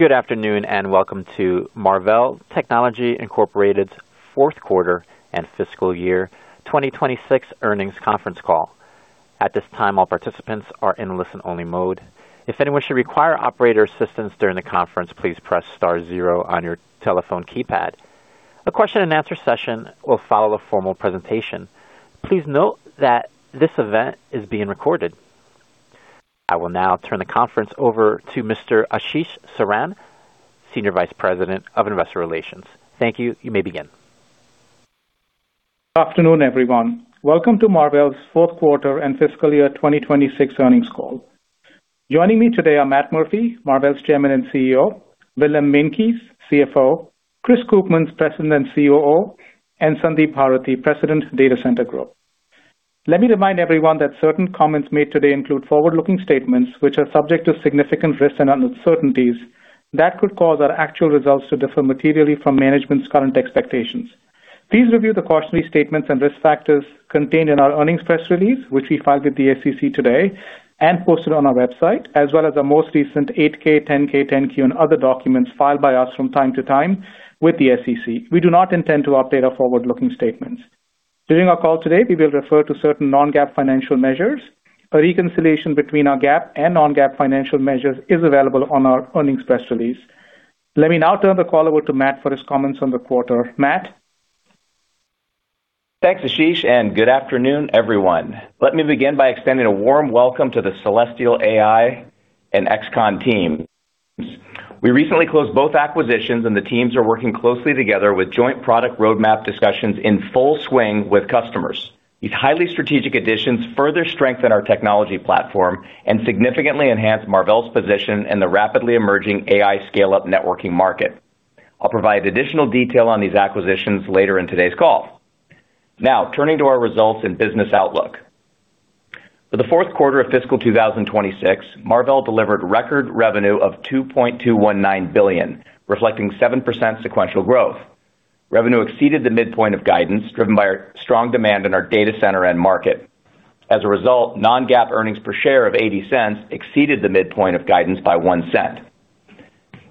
Good afternoon, and welcome to Marvell Technology, Inc. fourth quarter and fiscal year 2026 earnings conference call. At this time, all participants are in listen-only mode. If anyone should require operator assistance during the conference, please press star zero on your telephone keypad. A question-and-answer session will follow the formal presentation. Please note that this event is being recorded. I will now turn the conference over to Mr. Ashish Saran, Senior Vice President of Investor Relations. Thank you. You may begin. Good afternoon, everyone. Welcome to Marvell's fourth quarter and fiscal year 2026 earnings call. Joining me today are Matt Murphy, Marvell's Chairman and CEO, Willem Meintjes, CFO, Chris Koopmans, President and COO, and Sandeep Bharathi, President, Data Center Group. Let me remind everyone that certain comments made today include forward-looking statements which are subject to significant risks and uncertainties that could cause our actual results to differ materially from management's current expectations. Please review the cautionary statements and risk factors contained in our earnings press release, which we filed with the SEC today and posted on our website, as well as the most recent Form 8-K, Form 10-K, Form 10-Q and other documents filed by us from time to time with the SEC. We do not intend to update our forward-looking statements. During our call today, we will refer to certain Non-GAAP financial measures. A reconciliation between our GAAP and Non-GAAP financial measures is available on our earnings press release. Let me now turn the call over to Matt for his comments on the quarter. Matt. Thanks, Ashish, and good afternoon, everyone. Let me begin by extending a warm welcome to the Celestial AI and Xconn teams. We recently closed both acquisitions and the teams are working closely together with joint product roadmap discussions in full swing with customers. These highly strategic additions further strengthen our technology platform and significantly enhance Marvell's position in the rapidly emerging AI scale-up networking market. I'll provide additional detail on these acquisitions later in today's call. Now, turning to our results and business outlook. For the fourth quarter of fiscal 2026, Marvell delivered record revenue of $2.219 billion, reflecting 7% sequential growth. Revenue exceeded the midpoint of guidance driven by our strong demand in our data center end market. As a result, Non-GAAP earnings per share of $0.80 exceeded the midpoint of guidance by $0.01.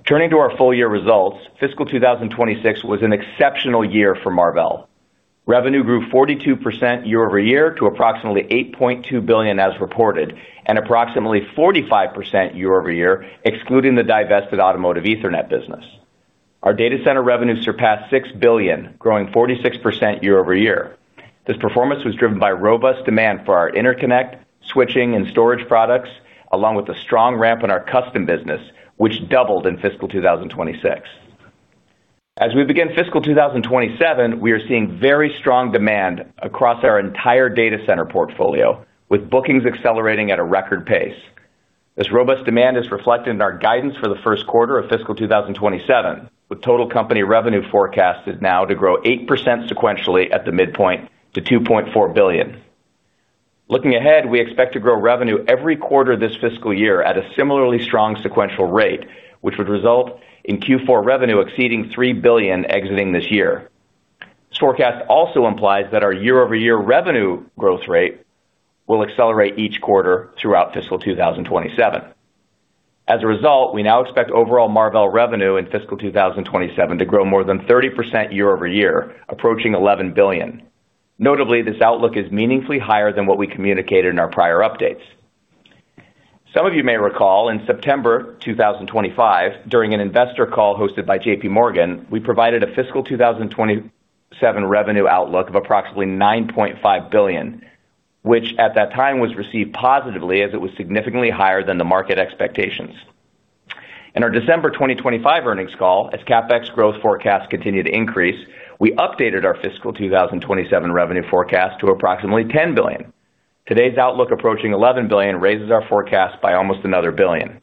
Turning to our full year results, fiscal 2026 was an exceptional year for Marvell. Revenue grew 42% year-over-year to approximately $8.2 billion as reported and approximately 45% year-over-year, excluding the divested automotive Ethernet business. Our Data Center revenue surpassed $6 billion, growing 46% year-over-year. This performance was driven by robust demand for our interconnect, switching and storage products, along with a strong ramp in our custom business, which doubled in fiscal 2026. As we begin fiscal 2027, we are seeing very strong demand across our entire Data Center portfolio, with bookings accelerating at a record pace. This robust demand is reflected in our guidance for the first quarter of fiscal 2027, with total company revenue forecasted now to grow 8% sequentially at the midpoint to $2.4 billion. Looking ahead, we expect to grow revenue every quarter this fiscal year at a similarly strong sequential rate, which would result in Q4 revenue exceeding $3 billion exiting this year. This forecast also implies that our year-over-year revenue growth rate will accelerate each quarter throughout fiscal 2027. We now expect overall Marvell revenue in fiscal 2027 to grow more than 30% year-over-year, approaching $11 billion. Notably, this outlook is meaningfully higher than what we communicated in our prior updates. Some of you may recall in September 2025, during an investor call hosted by JPMorgan, we provided a fiscal 2027 revenue outlook of approximately $9.5 billion, which at that time was received positively as it was significantly higher than the market expectations. In our December 2025 earnings call, as CapEx growth forecasts continued to increase, we updated our fiscal 2027 revenue forecast to approximately $10 billion. Today's outlook approaching $11 billion raises our forecast by almost another $1 billion.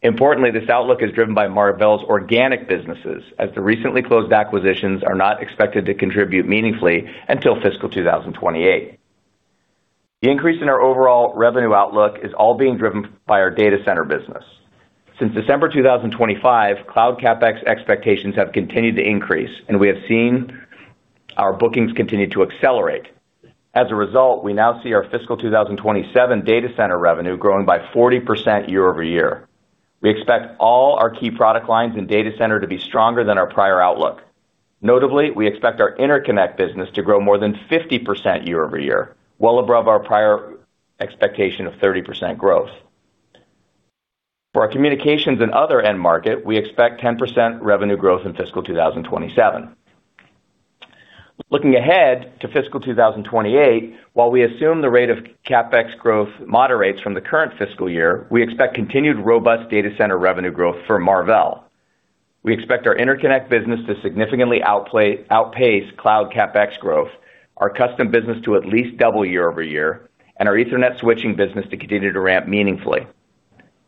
Importantly, this outlook is driven by Marvell's organic businesses as the recently closed acquisitions are not expected to contribute meaningfully until fiscal 2028. The increase in our overall revenue outlook is all being driven by our data center business. Since December 2025, cloud CapEx expectations have continued to increase. We have seen our bookings continue to accelerate. As a result, we now see our fiscal 2027 data center revenue growing by 40% year-over-year. We expect all our key product lines in data center to be stronger than our prior outlook. Notably, we expect our interconnect business to grow more than 50% year-over-year, well above our prior expectation of 30% growth. For our communications and other end market, we expect 10% revenue growth in fiscal 2027. Looking ahead to fiscal 2028, while we assume the rate of CapEx growth moderates from the current fiscal year, we expect continued robust data center revenue growth for Marvell. We expect our interconnect business to significantly outpace cloud CapEx growth, our custom business to at least double year-over-year and our Ethernet switching business to continue to ramp meaningfully.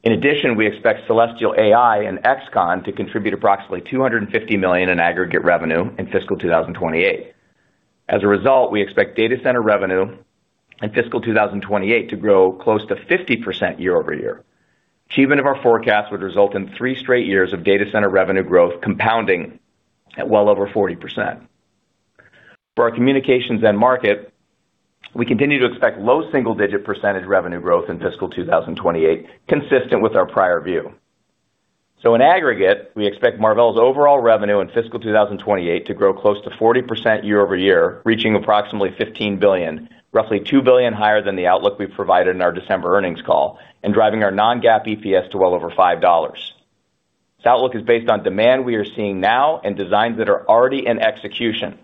In addition, we expect Celestial AI and Xconn to contribute approximately $250 million in aggregate revenue in fiscal 2028. As a result, we expect data center revenue in fiscal 2028 to grow close to 50% year-over-year. Achievement of our forecast would result in 3 straight years of data center revenue growth compounding at well over 40%. For our communications end market, we continue to expect low single-digit percentage revenue growth in fiscal 2028, consistent with our prior view. In aggregate, we expect Marvell's overall revenue in fiscal 2028 to grow close to 40% year-over-year, reaching approximately $15 billion, roughly $2 billion higher than the outlook we provided in our December earnings call and driving our Non-GAAP EPS to well over $5. This outlook is based on demand we are seeing now and designs that are already in execution.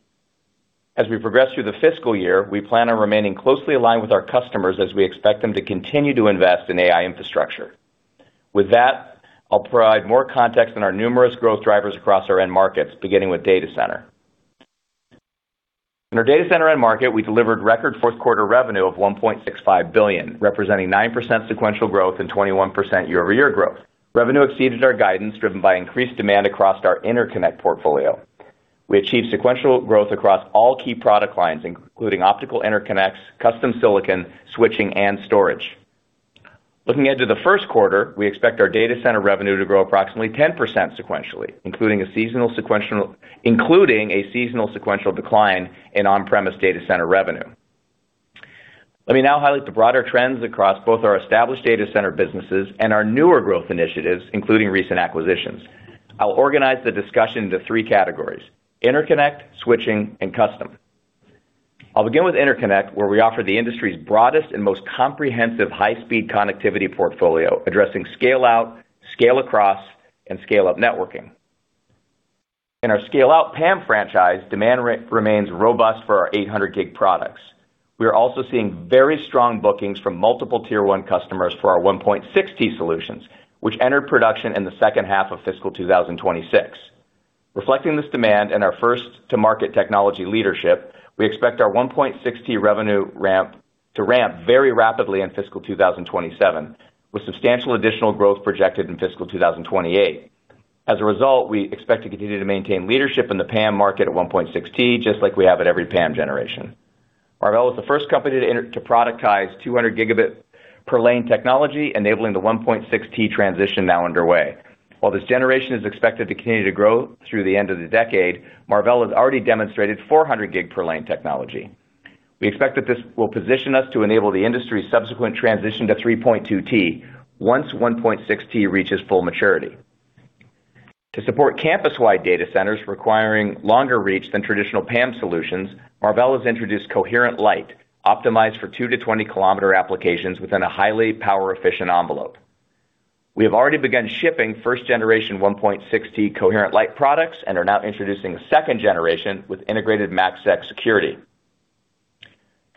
As we progress through the fiscal year, we plan on remaining closely aligned with our customers as we expect them to continue to invest in AI infrastructure. With that, I'll provide more context on our numerous growth drivers across our end markets, beginning with Data Center. In our Data Center end market, we delivered record fourth quarter revenue of $1.65 billion, representing 9% sequential growth and 21% year-over-year growth. Revenue exceeded our guidance, driven by increased demand across our interconnect portfolio. We achieved sequential growth across all key product lines, including optical interconnects, custom silicon, switching, and storage. Looking ahead to the first quarter, we expect our Data Center revenue to grow approximately 10% sequentially, including a seasonal sequential decline in on-premise Data Center revenue. Let me now highlight the broader trends across both our established data center businesses and our newer growth initiatives, including recent acquisitions. I'll organize the discussion into three categories: interconnect, switching, and custom. I'll begin with interconnect, where we offer the industry's broadest and most comprehensive high-speed connectivity portfolio, addressing scale-out, scale-across, and scale-up networking. In our scale-out PAM franchise, demand remains robust for our 800G products. We are also seeing very strong bookings from multiple tier 1 customers for our 1.6T solutions, which entered production in the second half of fiscal 2026. Reflecting this demand and our first to market technology leadership, we expect our 1.6T revenue to ramp very rapidly in fiscal 2027, with substantial additional growth projected in fiscal 2028. As a result, we expect to continue to maintain leadership in the PAM market at 1.6T, just like we have at every PAM generation. Marvell is the first company to productize 200G per lane technology, enabling the 1.6T transition now underway. While this generation is expected to continue to grow through the end of the decade, Marvell has already demonstrated 400G per lane technology. We expect that this will position us to enable the industry's subsequent transition to 3.2T once 1.6T reaches full maturity. To support campus-wide data centers requiring longer reach than traditional PAM solutions, Marvell has introduced Coherent Light, optimized for 2-kilometer-20-kilometer applications within a highly power-efficient envelope. We have already begun shipping first-generation 1.6T Coherent Light products and are now introducing a second generation with integrated MACsec security.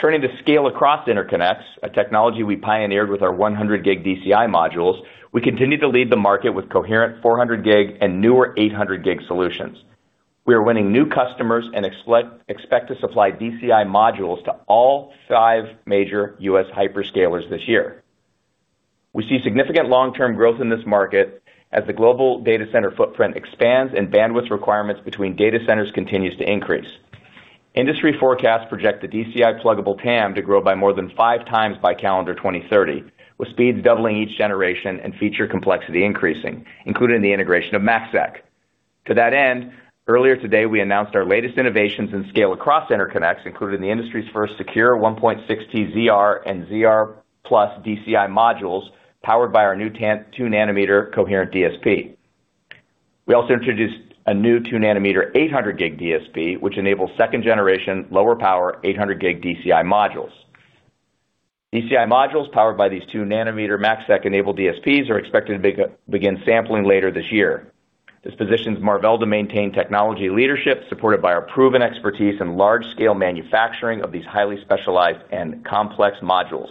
Turning to scale across interconnects, a technology we pioneered with our 100 Gig DCI modules, we continue to lead the market with coherent 400 Gig and newer 800 Gig solutions. We are winning new customers and expect to supply DCI modules to all five major U.S. hyperscalers this year. We see significant long-term growth in this market as the global data center footprint expands and bandwidth requirements between data centers continues to increase. Industry forecasts project the DCI pluggable TAM to grow by more than 5x by calendar 2030, with speeds doubling each generation and feature complexity increasing, including the integration of MACsec. To that end, earlier today, we announced our latest innovations in scale across interconnects, including the industry's first secure 1.6T ZR and ZR+ DCI modules powered by our new 2nm coherent DSP. We also introduced a new 2nm 800G DSP, which enables second generation lower power 800G DCI modules. DCI modules powered by these 2nm MACsec-enabled DSPs are expected to begin sampling later this year. This positions Marvell to maintain technology leadership, supported by our proven expertise in large-scale manufacturing of these highly specialized and complex modules.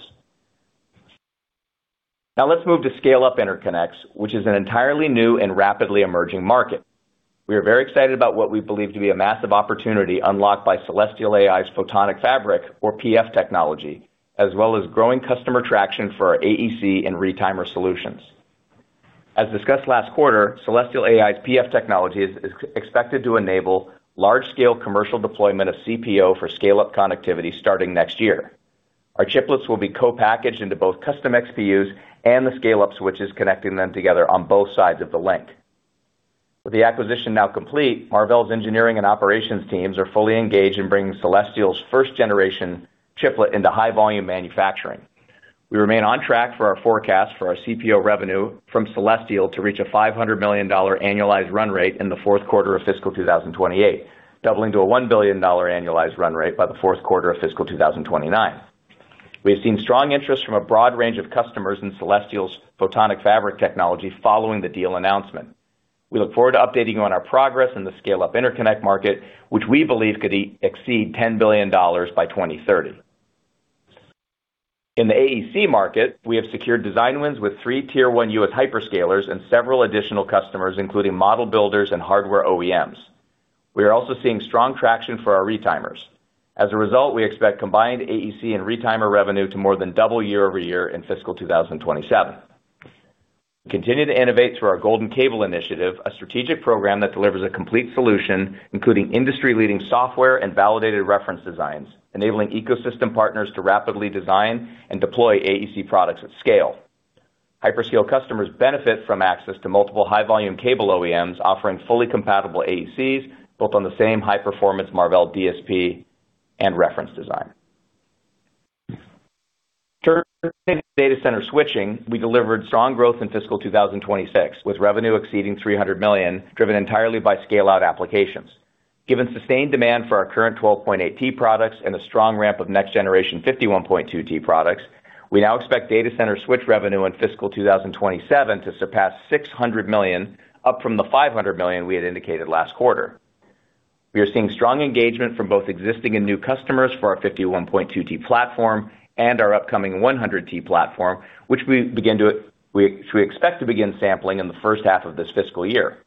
Now let's move to scale up interconnects, which is an entirely new and rapidly emerging market. We are very excited about what we believe to be a massive opportunity unlocked by Celestial AI's Photonic Fabric, or PF technology, as well as growing customer traction for our AEC and retimer solutions. As discussed last quarter, Celestial AI's PF technology is expected to enable large-scale commercial deployment of CPO for scale-up connectivity starting next year. Our chiplets will be co-packaged into both custom XPUs and the scale-up switches connecting them together on both sides of the link. With the acquisition now complete, Marvell's engineering and operations teams are fully engaged in bringing Celestial's first-generation chiplet into high-volume manufacturing. We remain on track for our forecast for our CPO revenue from Celestial to reach a $500 million annualized run rate in the fourth quarter of fiscal 2028, doubling to a $1 billion annualized run rate by the fourth quarter of fiscal 2029. We have seen strong interest from a broad range of customers in Celestial's Photonic Fabric technology following the deal announcement. We look forward to updating you on our progress in the scale-up interconnect market, which we believe could exceed $10 billion by 2030. In the AEC market, we have secured design wins with three Tier 1 U.S. hyperscalers and several additional customers, including model builders and hardware OEMs. We are also seeing strong traction for our retimers. As a result, we expect combined AEC and retimer revenue to more than double year-over-year in fiscal 2027. We continue to innovate through our Golden Cable initiative, a strategic program that delivers a complete solution, including industry-leading software and validated reference designs, enabling ecosystem partners to rapidly design and deploy AEC products at scale. Hyperscale customers benefit from access to multiple high volume cable OEMs offering fully compatible AECs, both on the same high-performance Marvell DSP and reference design. Data Center switching, we delivered strong growth in fiscal 2026, with revenue exceeding $300 million, driven entirely by scale-out applications. Given sustained demand for our current 12.8T products and a strong ramp of next generation 51.2T products, we now expect Data Center switch revenue in fiscal 2027 to surpass $600 million, up from the $500 million we had indicated last quarter. We are seeing strong engagement from both existing and new customers for our 51.2T platform and our upcoming 100T platform, which we expect to begin sampling in the first half of this fiscal year.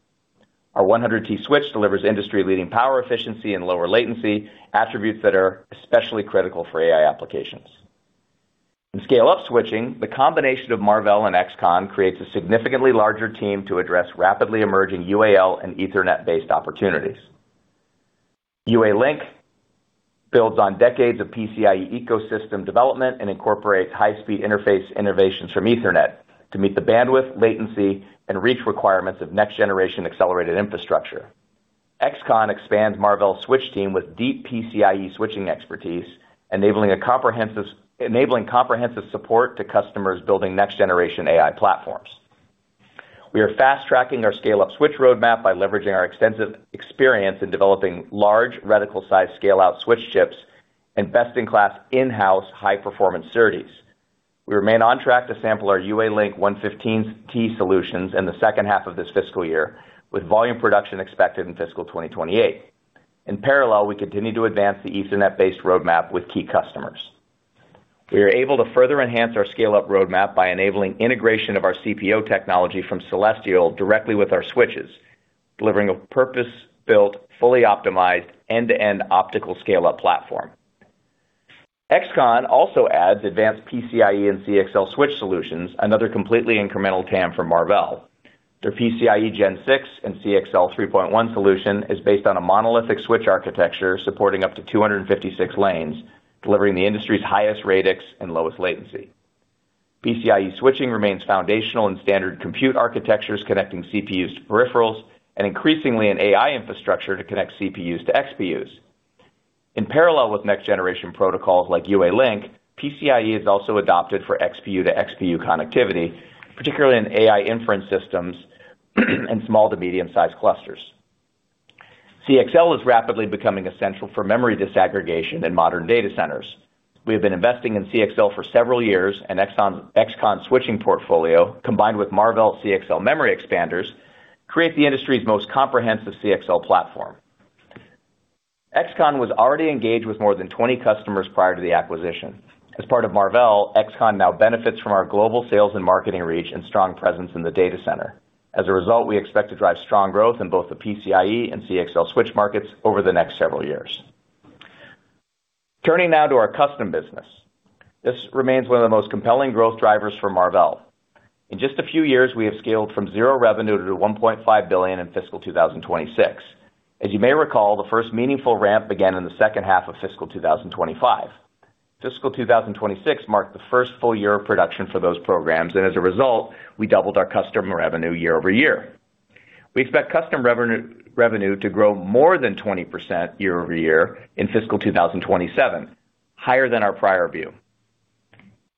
Our 100T switch delivers industry-leading power efficiency and lower latency, attributes that are especially critical for AI applications. In scale-up switching, the combination of Marvell and Xconn creates a significantly larger team to address rapidly emerging UAL and Ethernet-based opportunities. UALink builds on decades of PCIe ecosystem development and incorporates high-speed interface innovations from Ethernet to meet the bandwidth, latency, and reach requirements of next-generation accelerated infrastructure. Xconn expands Marvell's switch team with deep PCIe switching expertise, enabling comprehensive support to customers building next-generation AI platforms. We are fast-tracking our scale-up switch roadmap by leveraging our extensive experience in developing large radical size scale-out switch chips and best-in-class in-house high-performance SerDes. We remain on track to sample our UALink 115T solutions in the second half of this fiscal year, with volume production expected in fiscal 2028. In parallel, we continue to advance the Ethernet-based roadmap with key customers. We are able to further enhance our scale-up roadmap by enabling integration of our CPO technology from Celestial directly with our switches, delivering a purpose-built, fully optimized end-to-end optical scale-up platform. Xconn also adds advanced PCIe and CXL switch solutions, another completely incremental TAM from Marvell. Their PCIe 6.0 and CXL 3.1 solution is based on a monolithic switch architecture supporting up to 256 lanes, delivering the industry's highest radix and lowest latency. PCIe switching remains foundational in standard compute architectures connecting CPUs to peripherals, and increasingly in AI infrastructure to connect CPUs to XPUs. In parallel with next generation protocols like UALink, PCIe is also adopted for XPU to XPU connectivity, particularly in AI inference systems and small to medium-sized clusters. CXL is rapidly becoming essential for memory disaggregation in modern data centers. We have been investing in CXL for several years, and Xconn switching portfolio, combined with Marvell CXL memory expanders, create the industry's most comprehensive CXL platform. Xconn was already engaged with more than 20 customers prior to the acquisition. As part of Marvell, Xconn now benefits from our global sales and marketing reach and strong presence in the data center. As a result, we expect to drive strong growth in both the PCIe and CXL switch markets over the next several years. Turning now to our custom business. This remains one of the most compelling growth drivers for Marvell. In just a few years, we have scaled from zero revenue to $1.5 billion in fiscal 2026. As you may recall, the first meaningful ramp began in the second half of fiscal 2025. Fiscal 2026 marked the first full year of production for those programs. As a result, we doubled our customer revenue year-over-year. We expect customer revenue to grow more than 20% year-over-year in fiscal 2027, higher than our prior view.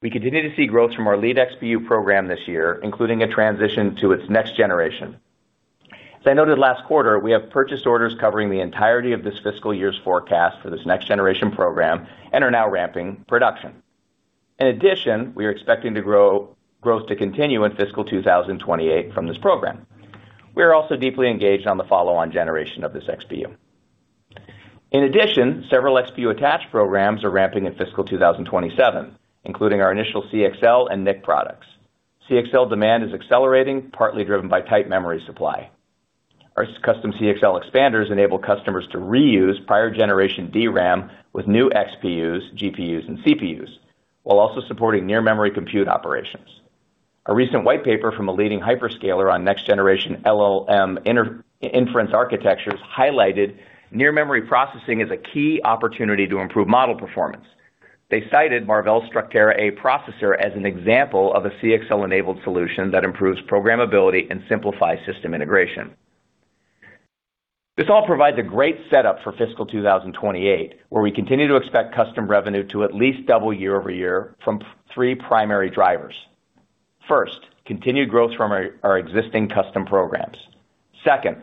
We continue to see growth from our lead XPU program this year, including a transition to its next generation. As I noted last quarter, we have purchase orders covering the entirety of this fiscal year's forecast for this next generation program and are now ramping production. We are expecting growth to continue in fiscal 2028 from this program. We are also deeply engaged on the follow-on generation of this XPU. Several XPU attach programs are ramping in fiscal 2027, including our initial CXL and NIC products. CXL demand is accelerating, partly driven by tight memory supply. Our custom CXL expanders enable customers to reuse prior generation DRAM with new XPUs, GPUs, and CPUs, while also supporting near memory compute operations. A recent white paper from a leading hyperscaler on next-generation LLM inference architectures highlighted near memory processing as a key opportunity to improve model performance. They cited Marvell's Structera A processor as an example of a CXL-enabled solution that improves programmability and simplifies system integration. This all provides a great setup for fiscal 2028, where we continue to expect custom revenue to at least double year-over-year from three primary drivers. First, continued growth from our existing custom programs. Second,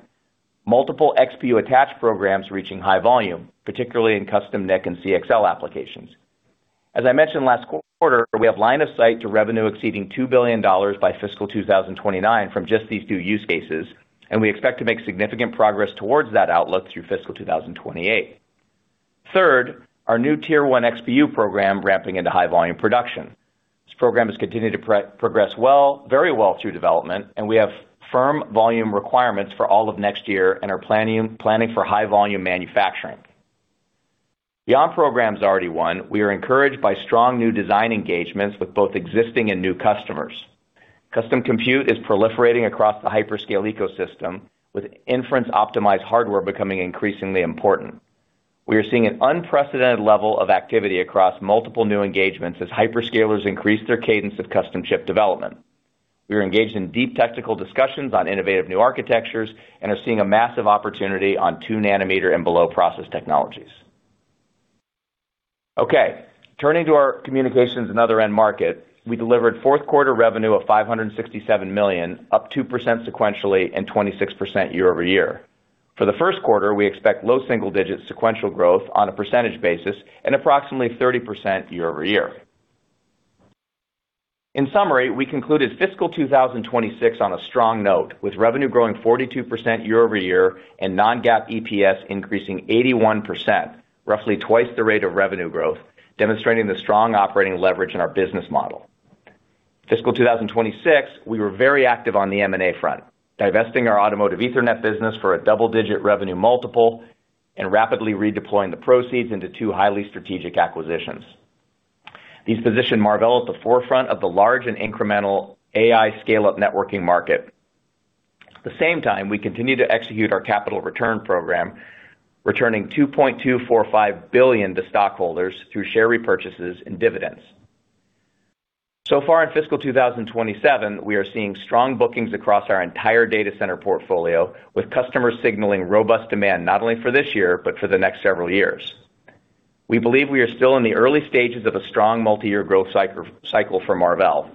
multiple XPU attach programs reaching high volume, particularly in custom NIC and CXL applications. As I mentioned last quarter, we have line of sight to revenue exceeding $2 billion by fiscal 2029 from just these two use cases, and we expect to make significant progress towards that outlook through fiscal 2028. Third, our new Tier 1 XPU program ramping into high volume production. This program has continued to progress very well through development, and we have firm volume requirements for all of next year and are planning for high volume manufacturing. Beyond programs already won, we are encouraged by strong new design engagements with both existing and new customers. Custom compute is proliferating across the hyperscale ecosystem, with inference-optimized hardware becoming increasingly important. We are seeing an unprecedented level of activity across multiple new engagements as hyperscalers increase their cadence of custom chip development. We are engaged in deep technical discussions on innovative new architectures and are seeing a massive opportunity on 2nm and below process technologies. Okay, turning to our communications and other end market. We delivered fourth quarter revenue of $567 million, up 2% sequentially and 26% year-over-year. For the first quarter, we expect low single digit sequential growth on a percentage basis and approximately 30% year-over-year. In summary, we concluded fiscal 2026 on a strong note, with revenue growing 42% year-over-year and Non-GAAP EPS increasing 81%, roughly twice the rate of revenue growth, demonstrating the strong operating leverage in our business model. Fiscal 2026, we were very active on the M&A front, divesting our automotive Ethernet business for a double-digit revenue multiple and rapidly redeploying the proceeds into two highly strategic acquisitions. These position Marvell at the forefront of the large and incremental AI scale-up networking market. At the same time, we continue to execute our capital return program, returning $2.245 billion to stockholders through share repurchases and dividends. Far in fiscal 2027, we are seeing strong bookings across our entire data center portfolio, with customers signaling robust demand not only for this year but for the next several years. We believe we are still in the early stages of a strong multiyear growth cycle for Marvell.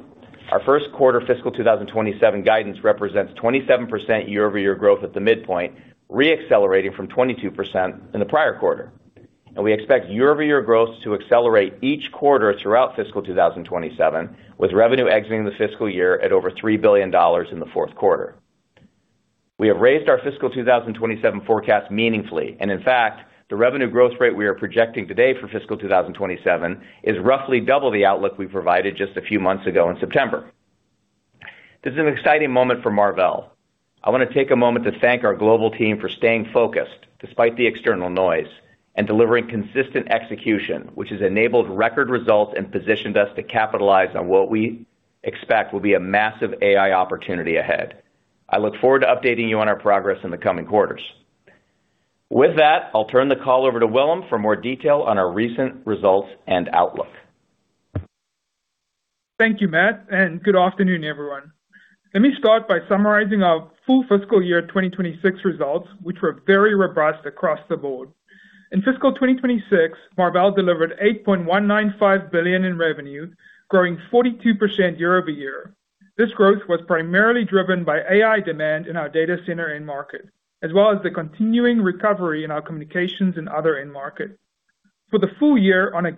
Our first quarter fiscal 2027 guidance represents 27% year-over-year growth at the midpoint, re-accelerating from 22% in the prior quarter. We expect year-over-year growth to accelerate each quarter throughout fiscal 2027, with revenue exiting the fiscal year at over $3 billion in the fourth quarter. We have raised our fiscal 2027 forecast meaningfully, and in fact, the revenue growth rate we are projecting today for fiscal 2027 is roughly double the outlook we provided just a few months ago in September. This is an exciting moment for Marvell. I want to take a moment to thank our global team for staying focused despite the external noise and delivering consistent execution, which has enabled record results and positioned us to capitalize on what we expect will be a massive AI opportunity ahead. I look forward to updating you on our progress in the coming quarters. I'll turn the call over to Willem for more detail on our recent results and outlook. Thank you, Matt. Good afternoon, everyone. Let me start by summarizing our full fiscal year 2026 results, which were very robust across the board. In fiscal 2026, Marvell delivered $8.195 billion in revenue, growing 42% year-over-year. This growth was primarily driven by AI demand in our data center end market, as well as the continuing recovery in our communications and other end market. For the full year, on a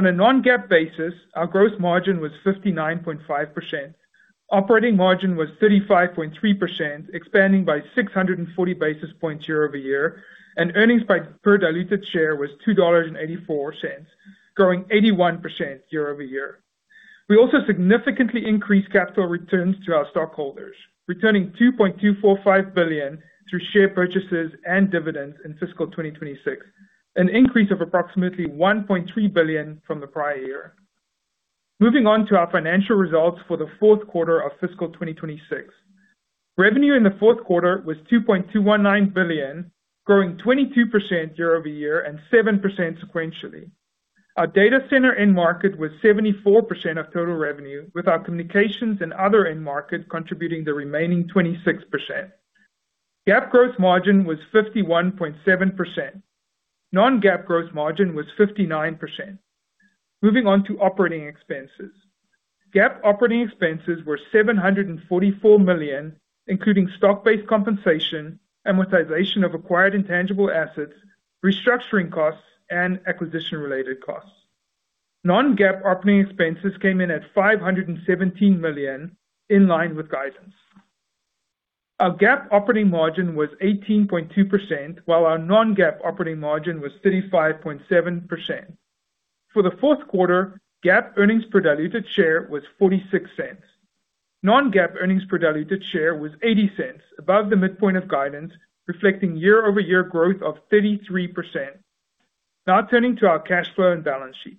GAAP basis, our gross margin was 51%. Operating margin was 16.1% and earnings per diluted share was $3.07. On a Non-GAAP basis, our gross margin was 59.5%. Operating margin was 35.3%, expanding by 640 basis points year-over-year, and earnings by per diluted share was $2.84, growing 81% year-over-year. We also significantly increased capital returns to our stockholders, returning $2.245 billion through share purchases and dividends in fiscal 2026, an increase of approximately $1.3 billion from the prior year. Moving on to our financial results for the fourth quarter of fiscal 2026. Revenue in the fourth quarter was $2.219 billion, growing 22% year-over-year and 7% sequentially. Our data center end market was 74% of total revenue, with our communications and other end market contributing the remaining 26%. GAAP growth margin was 51.7%. Non-GAAP growth margin was 59%. Moving on to operating expenses. GAAP operating expenses were $744 million, including stock-based compensation, amortization of acquired intangible assets, restructuring costs and acquisition-related costs. Non-GAAP operating expenses came in at $517 million in line with guidance. Our GAAP operating margin was 18.2%, while our Non-GAAP operating margin was 35.7%. For the fourth quarter, GAAP earnings per diluted share was $0.46. Non-GAAP earnings per diluted share was $0.80 above the midpoint of guidance, reflecting year-over-year growth of 33%. Turning to our cash flow and balance sheet.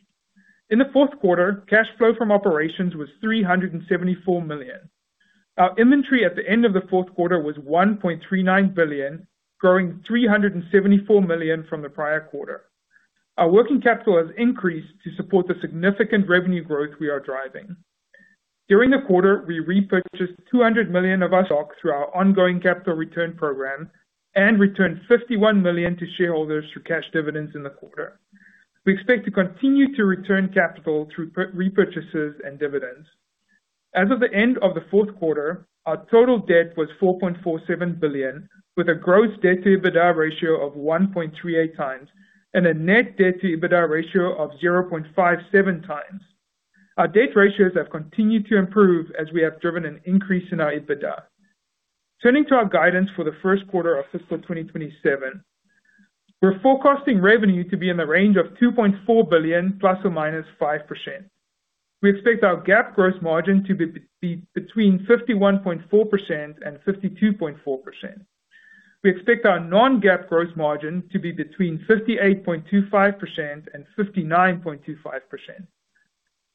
In the fourth quarter, cash flow from operations was $374 million. Our inventory at the end of the fourth quarter was $1.39 billion, growing $374 million from the prior quarter. Our working capital has increased to support the significant revenue growth we are driving. During the quarter, we repurchased $200 million of our stock through our ongoing capital return program and returned $51 million to shareholders through cash dividends in the quarter. We expect to continue to return capital through repurchases and dividends. As of the end of the fourth quarter, our total debt was $4.47 billion, with a gross debt to EBITDA ratio of 1.38x and a net debt to EBITDA ratio of 0.57x. Our debt ratios have continued to improve as we have driven an increase in our EBITDA. Turning to our guidance for the first quarter of fiscal 2027, we're forecasting revenue to be in the range of $2.4 billion ±5%. We expect our GAAP gross margin to be between 51.4% and 52.4%. We expect our Non-GAAP gross margin to be between 58.25% and 59.25%.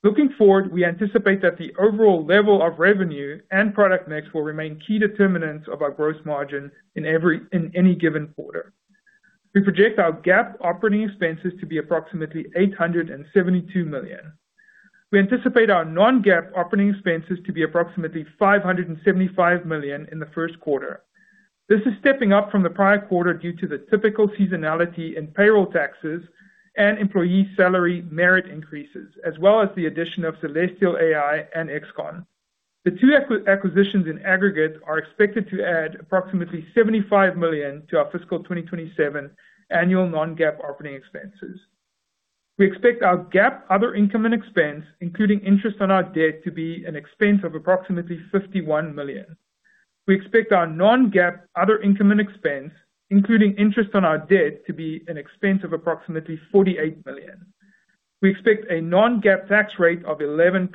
Looking forward, we anticipate that the overall level of revenue and product mix will remain key determinants of our gross margin in any given quarter. We project our GAAP operating expenses to be approximately $872 million. We anticipate our Non-GAAP operating expenses to be approximately $575 million in the first quarter. This is stepping up from the prior quarter due to the typical seasonality in payroll taxes and employee salary merit increases, as well as the addition of Celestial AI and Xconn. The two acquisitions in aggregate are expected to add approximately $75 million to our fiscal 2027 annual Non-GAAP operating expenses. We expect our GAAP other income and expense, including interest on our debt, to be an expense of approximately $51 million. We expect our Non-GAAP other income and expense, including interest on our debt, to be an expense of approximately $48 million. We expect a Non-GAAP tax rate of 11%.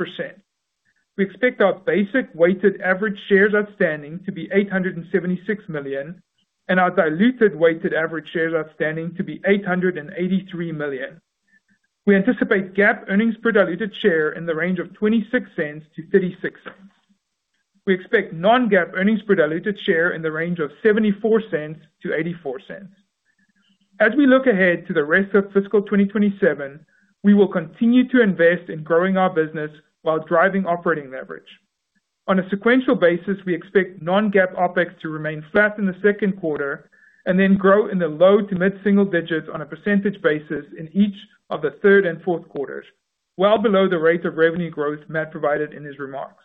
We expect our basic weighted average shares outstanding to be 876 million and our diluted weighted average shares outstanding to be 883 million. We anticipate GAAP earnings per diluted share in the range of $0.26-$0.36. We expect Non-GAAP earnings per diluted share in the range of $0.74-$0.84. As we look ahead to the rest of fiscal 2027, we will continue to invest in growing our business while driving operating leverage. On a sequential basis, we expect Non-GAAP OpEx to remain flat in the second quarter and then grow in the low to mid-single digits on a percentage basis in each of the third and fourth quarters, well below the rate of revenue growth Matt provided in his remarks.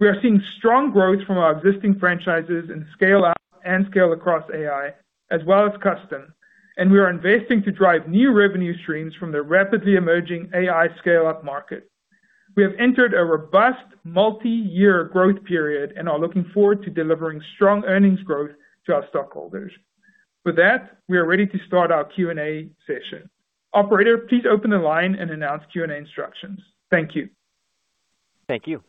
We are seeing strong growth from our existing franchises in scale-out and scale-across AI, as well as custom, and we are investing to drive new revenue streams from the rapidly emerging AI scale-up market. We have entered a robust multiyear growth period and are looking forward to delivering strong earnings growth to our stockholders. With that, we are ready to start our Q&A session. Operator, please open the line and announce Q&A instructions. Thank you. Thank you.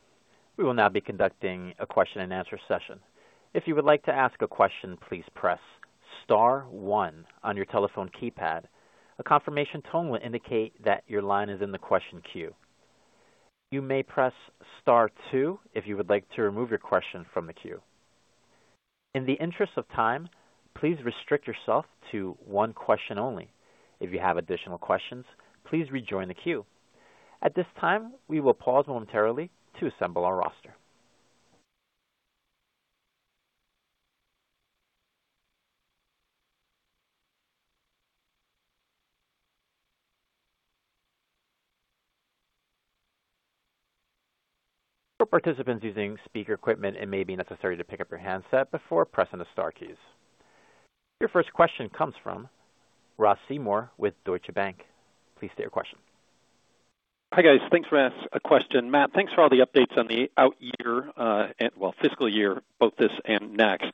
We will now be conducting a question-and-answer session. If you would like to ask a question, please press star one on your telephone keypad. A confirmation tone will indicate that your line is in the question queue. You may press star two if you would like to remove your question from the queue. In the interest of time, please restrict yourself to one question only. If you have additional questions, please rejoin the queue. At this time, we will pause momentarily to assemble our roster. For participants using speaker equipment, it may be necessary to pick up your handset before pressing the star keys. Your first question comes from Ross Seymore with Deutsche Bank. Please state your question. Hi, guys. Thanks for asking a question. Matt, thanks for all the updates on the out year, and, well, fiscal year, both this and next.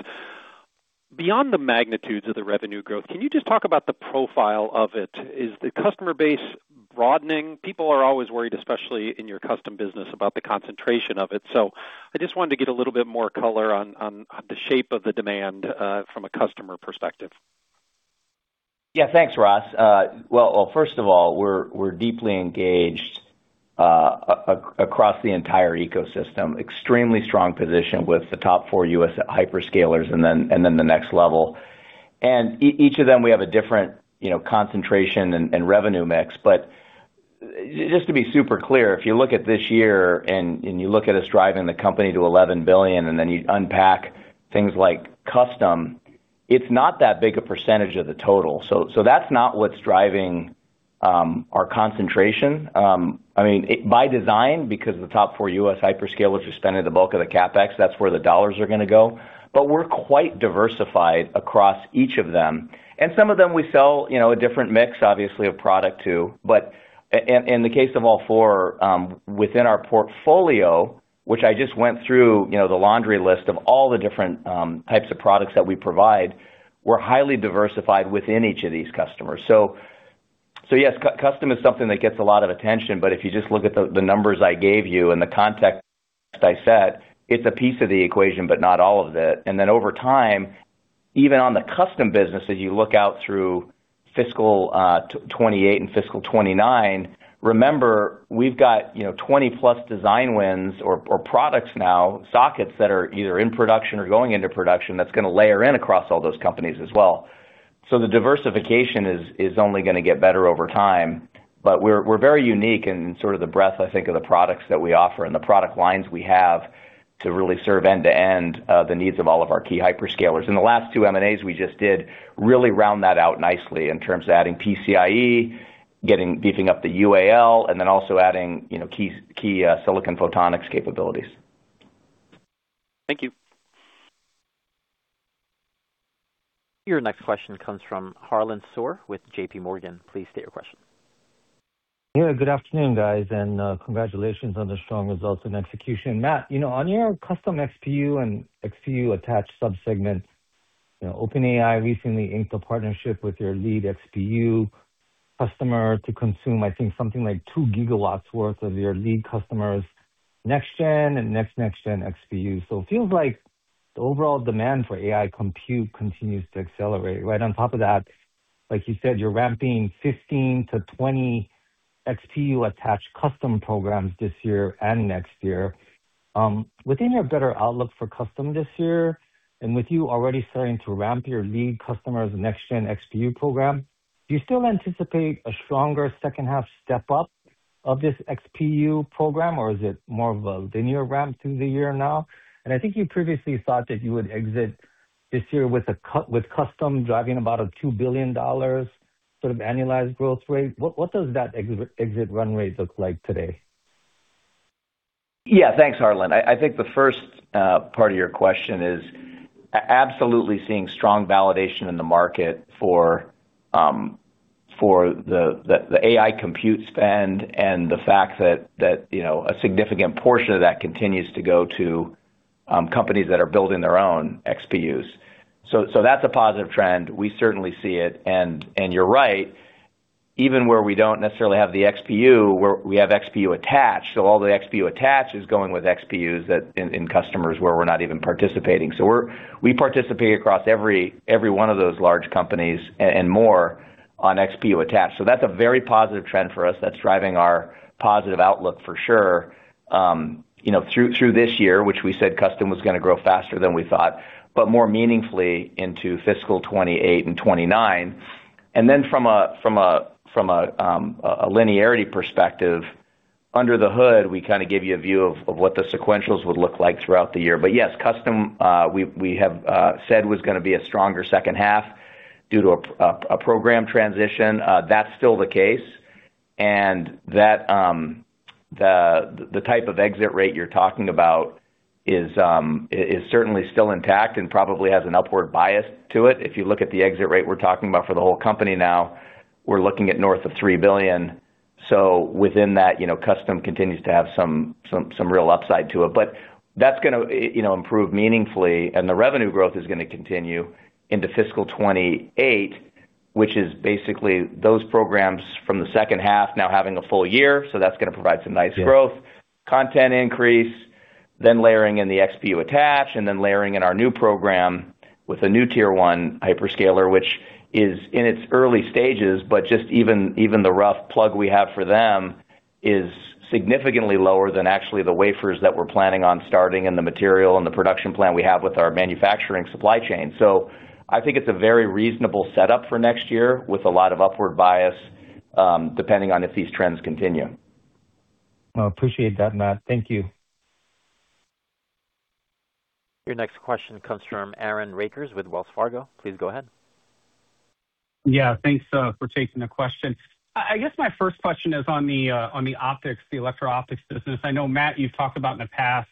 Beyond the magnitudes of the revenue growth, can you just talk about the profile of it? Is the customer base broadening? People are always worried, especially in your custom business, about the concentration of it. I just wanted to get a little bit more color on the shape of the demand from a customer perspective. Yeah. Thanks, Ross. Well, first of all, we're deeply engaged across the entire ecosystem, extremely strong position with the top four U.S. hyperscalers and then the next level. Each of them, we have a different, you know, concentration and revenue mix. Just to be super clear, if you look at this year and you look at us driving the company to $11 billion, then you unpack things like custom, it's not that big a % of the total. That's not what's driving our concentration. I mean, by design, because the top four U.S. hyperscalers are spending the bulk of the CapEx, that's where the dollars are gonna go. We're quite diversified across each of them. Some of them we sell, you know, a different mix, obviously, of product to. In the case of all four, within our portfolio, which I just went through, you know, the laundry list of all the different types of products that we provide, we're highly diversified within each of these customers. Yes, custom is something that gets a lot of attention, but if you just look at the numbers I gave you and the context I set, it's a piece of the equation, but not all of it. Over time, even on the custom business, as you look out through fiscal 2028 and fiscal 2029, remember, we've got, you know, 20+ design wins or products now, sockets that are either in production or going into production that's gonna layer in across all those companies as well. The diversification is only gonna get better over time. We're very unique in sort of the breadth, I think, of the products that we offer and the product lines we have to really serve end-to-end, the needs of all of our key hyperscalers. The last two M&As we just did really round that out nicely in terms of adding PCIe, beefing up the UAL, and then also adding, you know, key silicon photonics capabilities. Thank you. Your next question comes from Harlan Sur with JPMorgan. Please state your question. Good afternoon, guys, and congratulations on the strong results and execution. Matt, you know, on your custom XPU and XPU attached sub-segment, you know, OpenAI recently inked a partnership with your lead XPU customer to consume, I think something like 2 gigawatts worth of your lead customers next-gen and next-gen XPU. It feels like the overall demand for AI compute continues to accelerate. On top of that, like you said, you're ramping 15 XPU-20 XPU attached custom programs this year and next year. Within your better outlook for custom this year and with you already starting to ramp your lead customers next-gen XPU program, do you still anticipate a stronger second half step up of this XPU program, or is it more of a linear ramp through the year now? I think you previously thought that you would exit this year with custom driving about a $2 billion sort of annualized growth rate. What does that exit runway look like today? Yeah. Thanks, Harlan. I think the first part of your question is absolutely seeing strong validation in the market for the AI compute spend and the fact that, you know, a significant portion of that continues to go to companies that are building their own XPUs. That's a positive trend. We certainly see it. You're right, even where we don't necessarily have the XPU, where we have XPU attached, all the XPU attached is going with XPUs that in customers where we're not even participating. We participate across every one of those large companies and more on XPU attached. That's a very positive trend for us that's driving our positive outlook for sure, you know, through this year, which we said custom was gonna grow faster than we thought, but more meaningfully into fiscal 2028 and 2029. Then from a linearity perspective, under the hood, we kind of give you a view of what the sequentials would look like throughout the year. Yes, custom, we have said was gonna be a stronger second half due to a program transition. That's still the case. That the type of exit rate you're talking about is certainly still intact and probably has an upward bias to it. If you look at the exit rate we're talking about for the whole company now, we're looking at north of $3 billion. Within that, you know, custom continues to have some real upside to it. But that's gonna, you know, improve meaningfully, and the revenue growth is gonna continue into fiscal 2028, which is basically those programs from the second half now having a full year, so that's gonna provide some nice growth. Yeah. Content increase, layering in the XPU attach, layering in our new program with a new tier one hyperscaler, which is in its early stages, just even the rough plug we have for them is significantly lower than actually the wafers that we're planning on starting and the material and the production plan we have with our manufacturing supply chain. I think it's a very reasonable setup for next year with a lot of upward bias, depending on if these trends continue. Well, appreciate that, Matt. Thank you. Your next question comes from Aaron Rakers with Wells Fargo. Please go ahead. Yeah. Thanks for taking the question. I guess my first question is on the optics, the electro-optics business. I know, Matt, you've talked about in the past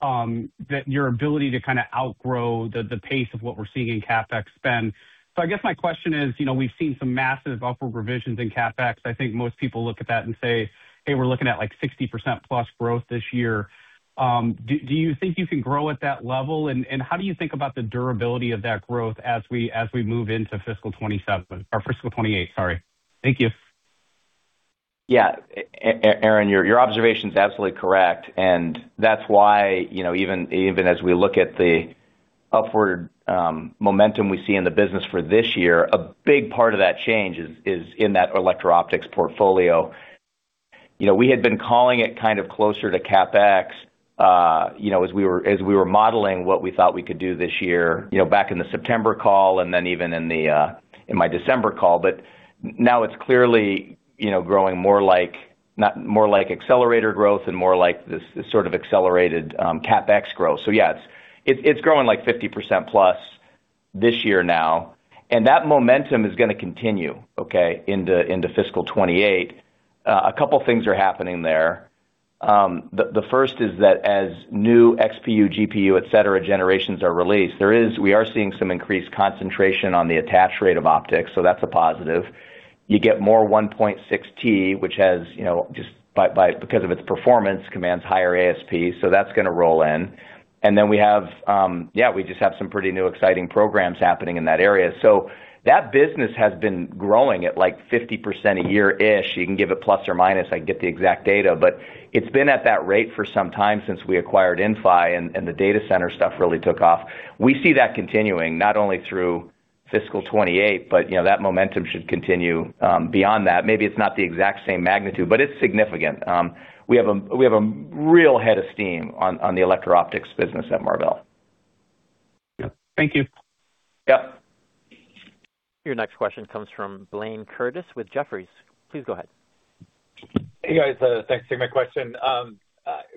that your ability to kinda outgrow the pace of what we're seeing in CapEx spend. I guess my question is, you know, we've seen some massive upward revisions in CapEx. I think most people look at that and say, "Hey, we're looking at like 60%+ growth this year." Do you think you can grow at that level? How do you think about the durability of that growth as we move into fiscal 2027 or fiscal 2028, sorry. Thank you. Yeah. Aaron, your observation is absolutely correct, and that's why, you know, even as we look at the upward momentum we see in the business for this year, a big part of that change is in that electro-optics portfolio. You know, we had been calling it kind of closer to CapEx, you know, as we were, as we were modeling what we thought we could do this year, you know, back in the September call and then even in my December call. But now it's clearly, you know, growing not more like accelerator growth and more like this sort of accelerated CapEx growth. Yeah, it's growing like 50%+ this year now. That momentum is gonna continue, okay, into fiscal 2028. A couple things are happening there. The, the first is that as new XPU, GPU, et cetera, generations are released, we are seeing some increased concentration on the attach rate of optics, so that's a positive. You get more 1.6T, which has, you know, just by because of its performance, commands higher ASP, so that's gonna roll in. Then we have, we just have some pretty new exciting programs happening in that area. That business has been growing at like 50% a year-ish. You can give it + or -. I can get the exact data. It's been at that rate for some time since we acquired Inphi and the data center stuff really took off. We see that continuing not only through fiscal 2028, but, you know, that momentum should continue beyond that. Maybe it's not the exact same magnitude, but it's significant. We have a real head of steam on the electro-optics business at Marvell. Thank you. Yep. Your next question comes from Blayne Curtis with Jefferies. Please go ahead. Hey, guys. Thanks for taking my question. Matt,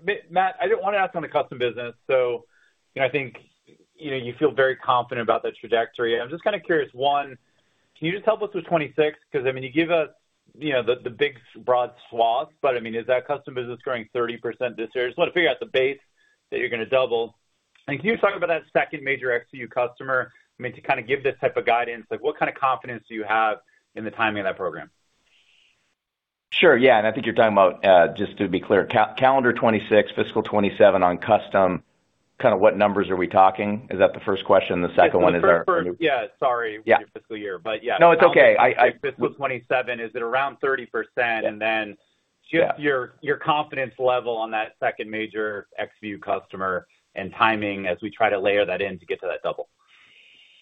you know, I think, you know, you feel very confident about the trajectory. I'm just kinda curious, one, can you just help us with 2026? 'Cause, I mean, you give us, you know, the big broad swaths, but I mean, is that custom business growing 30% this year? I just wanna figure out the base that you're gonna double. Can you talk about that second major XPU customer? I mean, to kind of give this type of guidance, like what kind of confidence do you have in the timing of that program? Sure. Yeah. I think you're talking about, just to be clear, calendar 2026, fiscal 2027 on custom, kind of what numbers are we talking? Is that the first question? Yeah. Sorry. Yeah. Your fiscal year, but yeah. No, it's okay. Fiscal 2027, is it around 30%? Yeah. Just your confidence level on that second major XPU customer and timing as we try to layer that in to get to that double?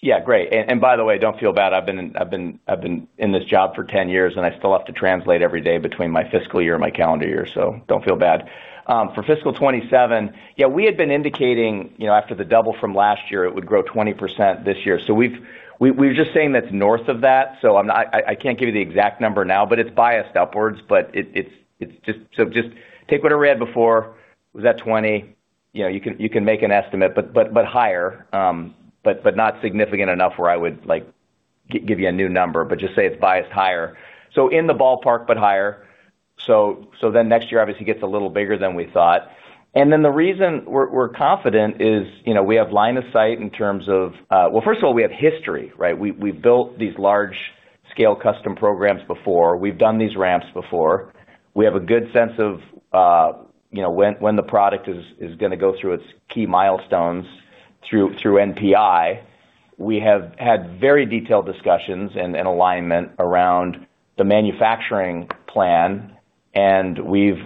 Yeah, great. By the way, don't feel bad. I've been in this job for 10 years, I still have to translate every day between my fiscal year and my calendar year, don't feel bad. For fiscal 2027, yeah, we had been indicating, you know, after the double from last year, it would grow 20% this year. We're just saying that's north of that, I can't give you the exact number now, but it's biased upwards. It's just... Just take what I read before. Was that 20? You know, you can make an estimate, but higher, but not significant enough where I would, like, give you a new number. Just say it's biased higher. In the ballpark, but higher. Next year obviously gets a little bigger than we thought. The reason we're confident is, you know, we have line of sight in terms of... First of all, we have history, right? We've built these large scale custom programs before. We've done these ramps before. We have a good sense of, you know, when the product is gonna go through its key milestones through NPI. We have had very detailed discussions and alignment around the manufacturing plan, and we've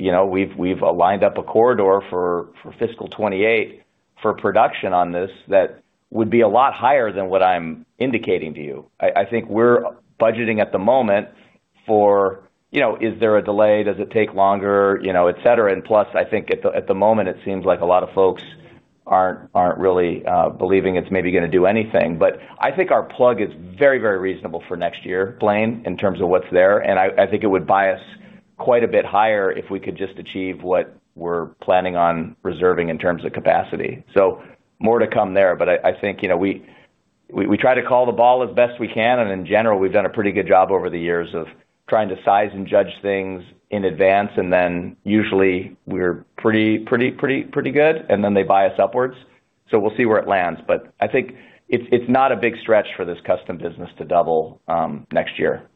aligned up a corridor for fiscal 2028 for production on this that would be a lot higher than what I'm indicating to you. I think we're budgeting at the moment for, you know, is there a delay? Does it take longer, you know, et cetera. Plus, I think at the moment, it seems like a lot of folks aren't really believing it's maybe gonna do anything. I think our plug is very, very reasonable for next year, Blayne, in terms of what's there, and I think it would buy us quite a bit higher if we could just achieve what we're planning on reserving in terms of capacity. More to come there, I think, you know, we try to call the ball as best we can, and in general, we've done a pretty good job over the years of trying to size and judge things in advance, and then usually we're pretty good, and then they buy us upwards. We'll see where it lands. I think it's not a big stretch for this custom business to double next year.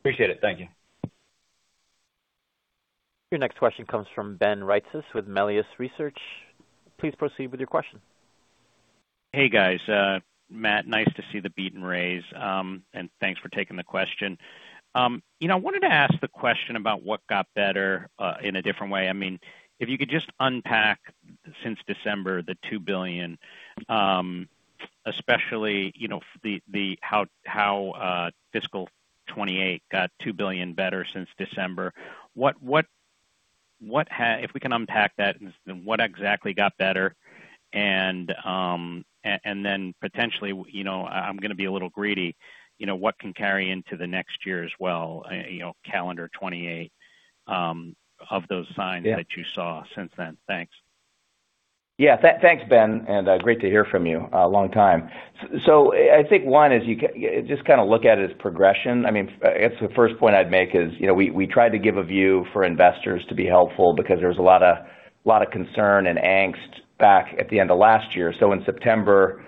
Appreciate it. Thank you. Your next question comes from Ben Reitzes with Melius Research. Please proceed with your question. Hey, guys. Matt, nice to see the beat and raise. Thanks for taking the question. You know, I wanted to ask the question about what got better in a different way. I mean, if you could just unpack since December, the $2 billion, especially, you know, how fiscal 2028 got $2 billion better since December. If we can unpack that and what exactly got better and then potentially, you know, I'm gonna be a little greedy, you know, what can carry into the next year as well, you know, calendar 2028, of those signs? Yeah. that you saw since then? Thanks. Thanks, Ben, and great to hear from you. A long time. I think, one is you Just kinda look at it as progression. I mean, it's the first point I'd make is, you know, we try to give a view for investors to be helpful because there's a lot of concern and angst back at the end of last year. In September,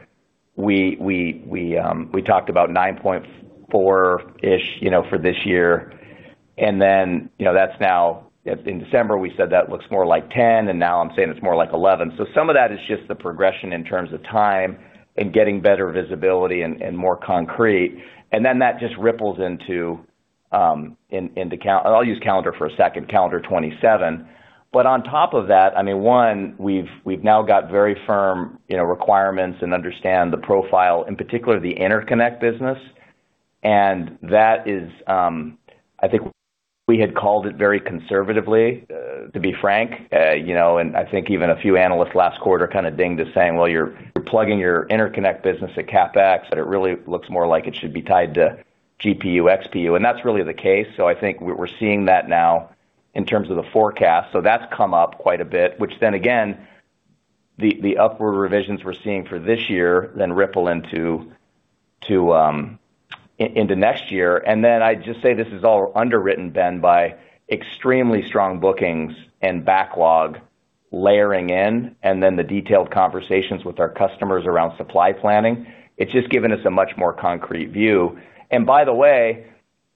we talked about %9.4-ish billion, you know, for this year. You know, that's now... In December, we said that looks more like $10 billion, and now I'm saying it's more like $11 billion. Some of that is just the progression in terms of time and getting better visibility and more concrete. That just ripples into I'll use calendar for a second. Calendar 2027. On top of that, I mean, one, we've now got very firm, you know, requirements and understand the profile, in particular the interconnect business. That is, I think we had called it very conservatively, to be frank. You know, I think even a few analysts last quarter kinda dinged us saying, "Well, you're plugging your interconnect business at CapEx, but it really looks more like it should be tied to GPU, XPU." That's really the case. I think we're seeing that now in terms of the forecast. That's come up quite a bit, which then again, the upward revisions we're seeing for this year then ripple into next year. I'd just say this is all underwritten, Ben, by extremely strong bookings and backlog layering in, and then the detailed conversations with our customers around supply planning. It's just given us a much more concrete view. By the way,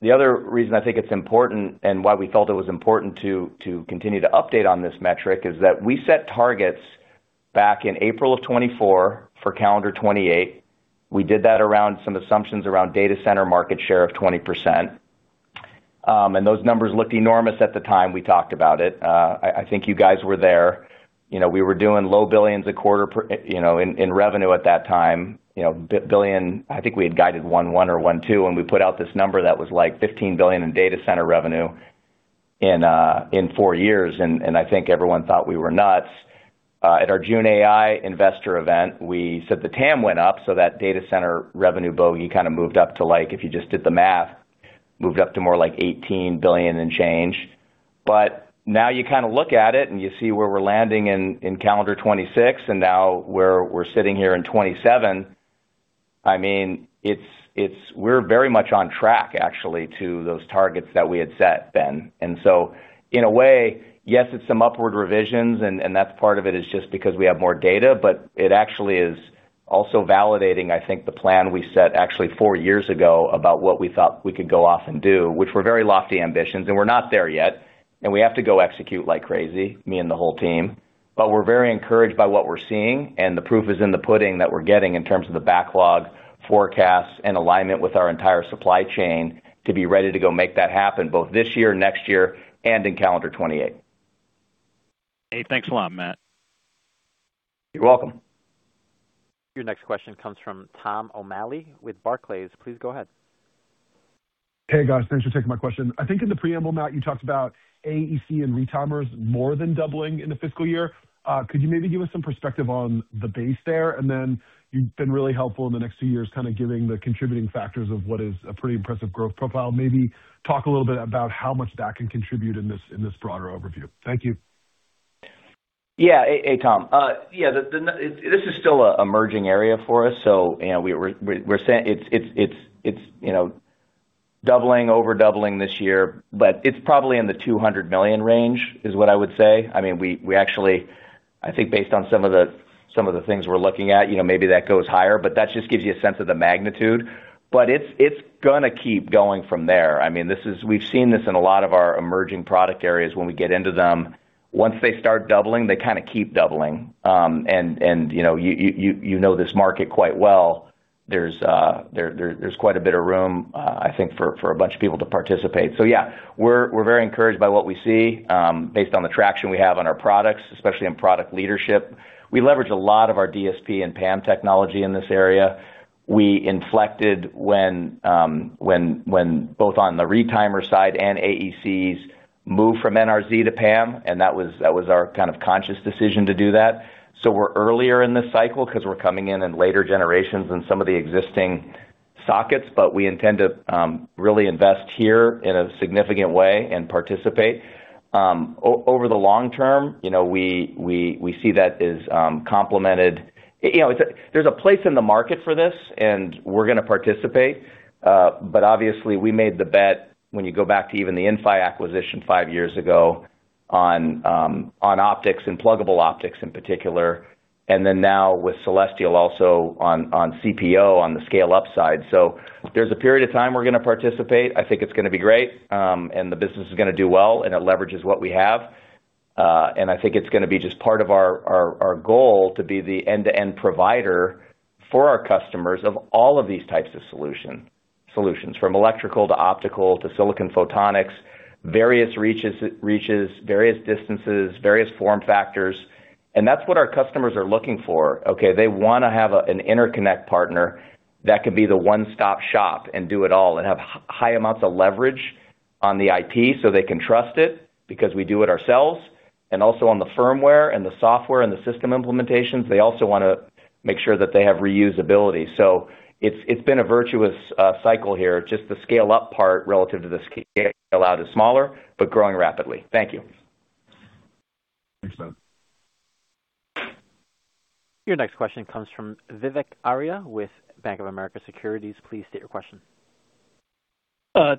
the other reason I think it's important and why we felt it was important to continue to update on this metric is that we set targets back in April 2024 for calendar 2028. We did that around some assumptions around data center market share of 20%. Those numbers looked enormous at the time we talked about it. I think you guys were there. You know, we were doing low billions a quarter per, you know, in revenue at that time. You know. I think we had guided $11 billion or $12 billion, we put out this number that was like $15 billion in data center revenue in four years, and I think everyone thought we were nuts. At our June AI investor event, we said the TAM went up, so that data center revenue bogey kinda moved up to, like, if you just did the math, moved up to more like $18 billion and change. Now you kinda look at it and you see where we're landing in calendar 2026 and now where we're sitting here in 2027, I mean, it's, we're very much on track actually to those targets that we had set, Ben. In a way, yes, it's some upward revisions and that's part of it is just because we have more data, but it actually is also validating, I think the plan we set actually four years ago about what we thought we could go off and do, which were very lofty ambitions, and we're not there yet, and we have to go execute like crazy, me and the whole team. We're very encouraged by what we're seeing, and the proof is in the pudding that we're getting in terms of the backlog forecasts and alignment with our entire supply chain to be ready to go make that happen both this year, next year, and in calendar 2028. Hey, thanks a lot, Matt. You're welcome. Your next question comes from Thomas O'Malley with Barclays. Please go ahead. Hey, guys. Thanks for taking my question. I think in the preamble, Matt, you talked about AEC and retimers more than doubling in the fiscal year. Could you maybe give us some perspective on the base there? Then you've been really helpful in the next few years kind of giving the contributing factors of what is a pretty impressive growth profile. Maybe talk a little bit about how much that can contribute in this broader overview? Thank you. Hey, Tom. This is still a merging area for us. You know, we're say- it's, you know, doubling, over doubling this year, but it's probably in the $200 million range is what I would say. I mean, we actually, I think based on some of the things we're looking at, you know, maybe that goes higher, but that just gives you a sense of the magnitude. It's gonna keep going from there. I mean, we've seen this in a lot of our emerging product areas when we get into them. Once they start doubling, they kinda keep doubling. You know, you know this market quite well. There's quite a bit of room, I think for a bunch of people to participate. Yeah, we're very encouraged by what we see, based on the traction we have on our products, especially in product leadership. We leverage a lot of our DSP and PAM technology in this area. We inflected when both on the retimer side and AECs moved from NRZ to PAM, and that was our kind of conscious decision to do that. We're earlier in this cycle 'cause we're coming in in later generations than some of the existing sockets, but we intend to really invest here in a significant way and participate. Over the long term, you know, we see that as complemented. You know, there's a place in the market for this, and we're gonna participate. Obviously we made the bet when you go back to even the Inphi acquisition five years ago on optics and pluggable optics in particular, and then now with Celestial also on CPO on the scale-up side. There's a period of time we're gonna participate. I think it's gonna be great, and the business is gonna do well, and it leverages what we have. I think it's gonna be just part of our goal to be the end-to-end provider for our customers of all of these types of solutions, from electrical to optical to silicon photonics, various reaches, various distances, various form factors. That's what our customers are looking for, okay? They wanna have an interconnect partner that can be the one-stop shop and do it all and have high amounts of leverage on the IT so they can trust it because we do it ourselves. Also on the firmware and the software and the system implementations, they also wanna make sure that they have reusability. It's been a virtuous cycle here. Just the scale-up part relative to the scale out is smaller, but growing rapidly. Thank you. Thanks, Matt. Your next question comes from Vivek Arya with Bank of America Securities. Please state your question.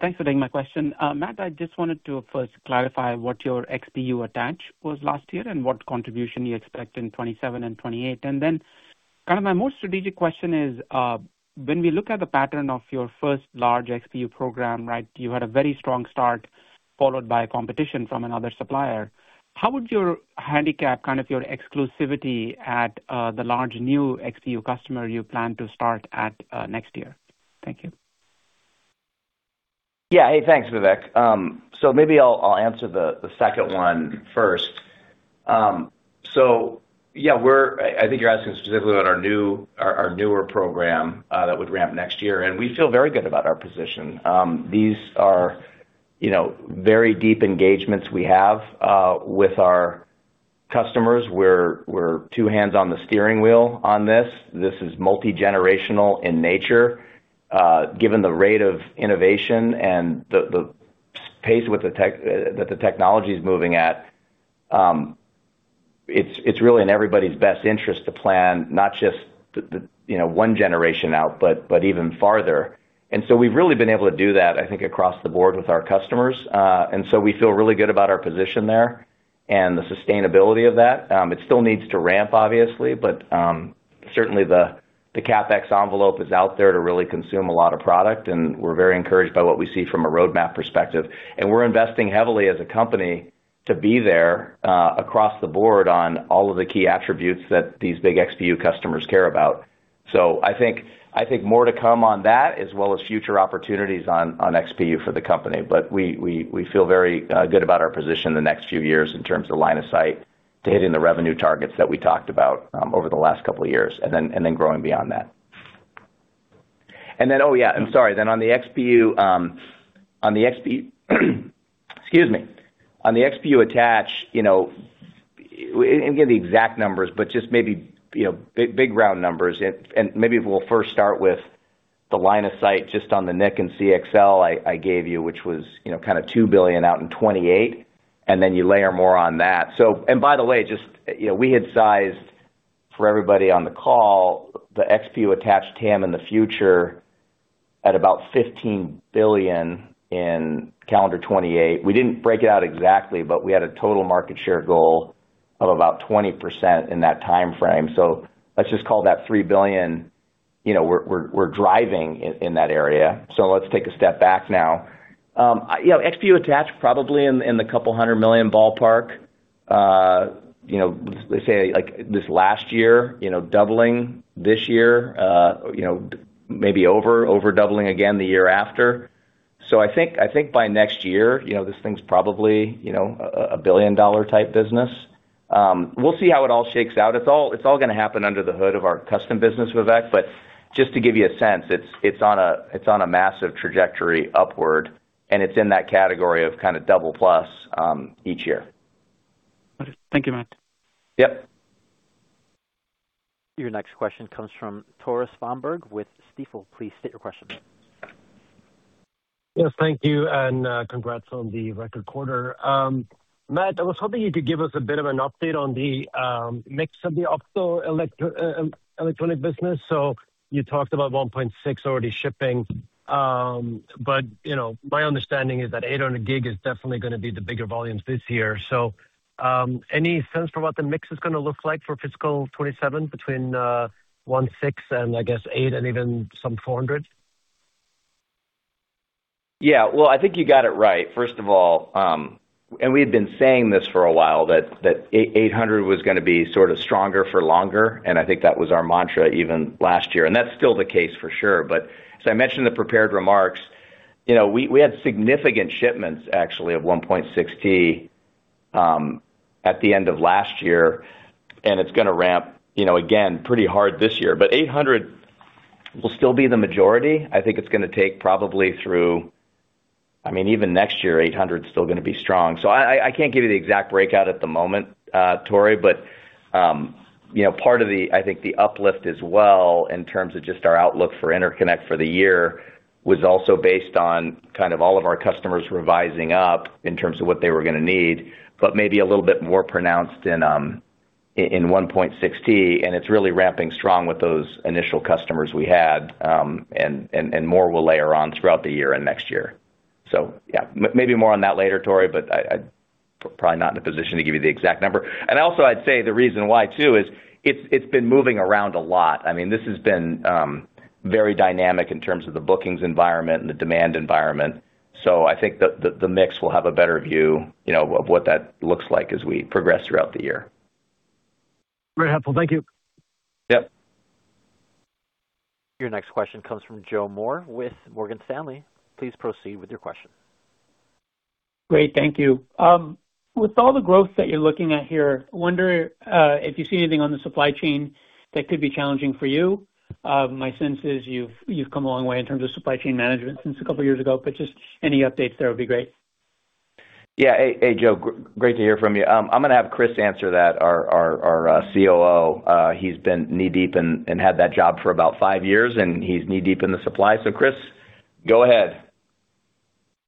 Thanks for taking my question. Matt, I just wanted to first clarify what your XPU attach was last year and what contribution you expect in 2027 and 2028. Kind of my more strategic question is, when we look at the pattern of your first large XPU program, right, you had a very strong start followed by competition from another supplier. How would you handicap kind of your exclusivity at the large new XPU customer you plan to start at next year? Thank you. Yeah. Hey, thanks, Vivek. Maybe I'll answer the second one first. Yeah, I think you're asking specifically about our newer program that would ramp next year, and we feel very good about our position. These are, you know, very deep engagements we have with our customers. We're two hands on the steering wheel on this. This is multi-generational in nature. Given the rate of innovation and the pace with the technology is moving at, it's really in everybody's best interest to plan not just the, you know, one generation out, but even farther. We've really been able to do that, I think, across the board with our customers. We feel really good about our position there and the sustainability of that. It still needs to ramp, obviously, but certainly the CapEx envelope is out there to really consume a lot of product, and we're very encouraged by what we see from a roadmap perspective. We're investing heavily as a company to be there across the board on all of the key attributes that these big XPU customers care about. I think more to come on that as well as future opportunities on XPU for the company. We feel very good about our position the next few years in terms of line of sight to hitting the revenue targets that we talked about over the last couple of years, and then growing beyond that. Oh, yeah, I'm sorry. On the XPU. Excuse me. On the XPU attach, you know, I can give the exact numbers, but just maybe, you know, big round numbers. Maybe we'll first start with the line of sight just on the NIC and CXL I gave you, which was, you know, kinda $2 billion out in 2028, and then you layer more on that. And by the way, just, you know, we had sized for everybody on the call, the XPU attached TAM in the future at about $15 billion in calendar 2028. We didn't break it out exactly, but we had a total market share goal of about 20% in that timeframe. Let's just call that $3 billion. You know, we're driving in that area. Let's take a step back now. You know, XPU attached probably in the $200 million ballpark. you know, let's say, like, this last year, you know, doubling this year, you know, maybe over doubling again the year after. I think, I think by next year, you know, this thing's probably, you know, a billion-dollar type business. We'll see how it all shakes out. It's all gonna happen under the hood of our custom business with that. Just to give you a sense, it's on a massive trajectory upward, and it's in that category of kind of double plus each year. Okay. Thank you, Matt. Yep. Your next question comes from Tore Svanberg with Stifel. Please state your question. Yes, thank you, and congrats on the record quarter. Matt, I was hoping you could give us a bit of an update on the mix of the Optoelectronics business. You talked about 1.6T already shipping, but you know, my understanding is that 800 Gig is definitely gonna be the bigger volumes this year. Any sense for what the mix is gonna look like for fiscal 2027 between 1.6T and I guess 800 Gig and even some 400 Gig? Yeah. Well, I think you got it right, first of all. We had been saying this for a while that 800 Gig was gonna be sort of stronger for longer, and I think that was our mantra even last year, and that's still the case for sure. As I mentioned in the prepared remarks, you know, we had significant shipments actually of 1.6T at the end of last year, and it's gonna ramp, you know, again, pretty hard this year. 800 Gig will still be the majority. I think it's gonna take probably through... I mean, even next year, 800 Gig is still gonna be strong. I can't give you the exact breakout at the moment, Tore. You know, part of the, I think the uplift as well in terms of just our outlook for interconnect for the year was also based on kind of all of our customers revising up in terms of what they were gonna need, but maybe a little bit more pronounced in 1.6T, and it's really ramping strong with those initial customers we had, and more will layer on throughout the year and next year. Yeah, maybe more on that later, Tore, but I'd probably not in a position to give you the exact number. Also I'd say the reason why too is it's been moving around a lot. I mean, this has been very dynamic in terms of the bookings environment and the demand environment. I think the mix will have a better view, you know, of what that looks like as we progress throughout the year. Very helpful. Thank you. Yep. Your next question comes from Joseph Moore with Morgan Stanley. Please proceed with your question. Great. Thank you. With all the growth that you're looking at here, I wonder if you see anything on the supply chain that could be challenging for you. My sense is you've come a long way in terms of supply chain management since a couple of years ago, but just any updates there would be great. Yeah. Hey, Joe. Great to hear from you. I'm gonna have Chris answer that, our COO. He's been knee-deep and had that job for about five years, and he's knee-deep in the supply. Chris, go ahead.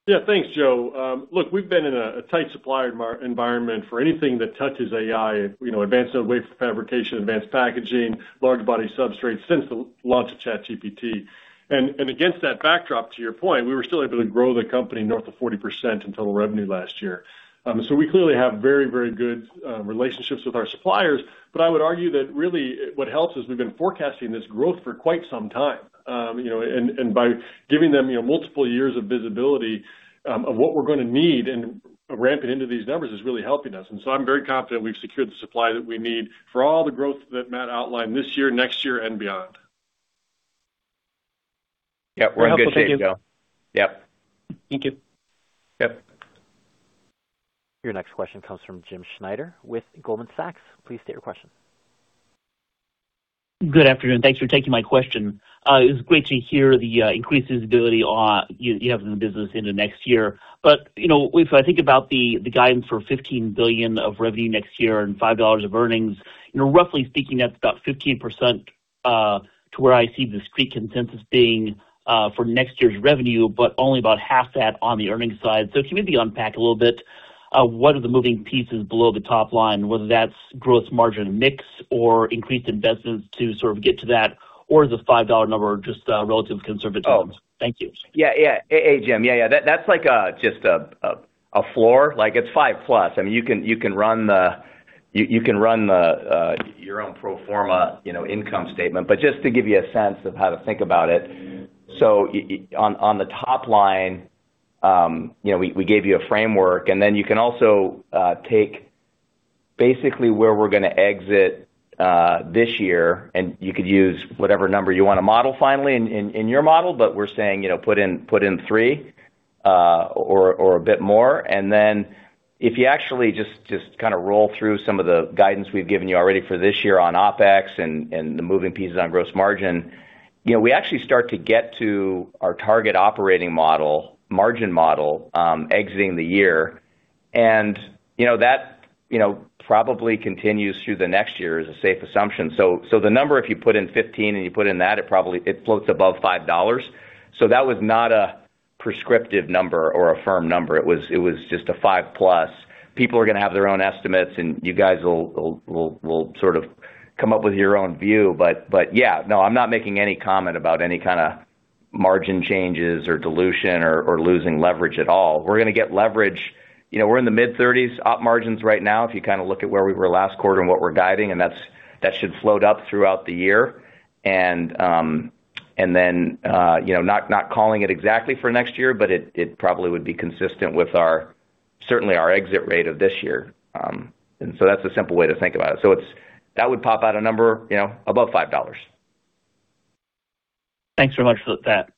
Yeah, thanks, Joe. Look, we've been in a tight supply environment for anything that touches AI, you know, advanced wave fabrication, advanced packaging, large body substrates since the launch of ChatGPT. Against that backdrop, to your point, we were still able to grow the company north of 40% in total revenue last year. We clearly have very, very good relationships with our suppliers. I would argue that really what helps is we've been forecasting this growth for quite some time. You know, by giving them, you know, multiple years of visibility, of what we're gonna need and ramping into these numbers is really helping us. I'm very confident we've secured the supply that we need for all the growth that Matt outlined this year, next year, and beyond. Yeah. We're in good shape, Joe. Very helpful. Thank you. Yep. Thank you. Yep. Your next question comes from James Schneider with Goldman Sachs. Please state your question. Good afternoon. Thanks for taking my question. It was great to hear the increased visibility on you have in the business into next year. You know, if I think about the guidance for $15 billion of revenue next year and $5 of earnings, you know, roughly speaking, that's about 15% to where I see the street consensus being for next year's revenue, but only about half that on the earnings side. Can you maybe unpack a little bit, what are the moving pieces below the top line, whether that's gross margin mix or increased investments to sort of get to that, or is the $5 number just relatively conservative? Oh. Thank you. Yeah, yeah. Hey, Jim. Yeah, yeah. That's like just a floor. Like it's $5+. I mean, you can run the your own pro forma, you know, income statement. Just to give you a sense of how to think about it. On the top line, you know, we gave you a framework. Then you can also take basically where we're gonna exit this year, you could use whatever number you want to model finally in your model. We're saying, you know, put in $3 or a bit more. Then if you actually just kind of roll through some of the guidance we've given you already for this year on OpEx and the moving pieces on gross margin, you know, we actually start to get to our target operating model, margin model, exiting the year. You know, that, you know, probably continues through the next year is a safe assumption. The number, if you put in $15 billion and you put in that, it floats above $5. That was not a prescriptive number or a firm number. It was just a $5+. People are gonna have their own estimates, and you guys will sort of come up with your own view. Yeah, no, I'm not making any comment about any kinda margin changes or dilution or losing leverage at all. We're gonna get leverage. You know, we're in the mid-30s op margins right now, if you kinda look at where we were last quarter and what we're guiding, that should float up throughout the year. You know, not calling it exactly for next year, but it probably would be consistent with our, certainly our exit rate of this year. That's the simple way to think about it. That would pop out a number, you know, above $5. Thanks so much for that.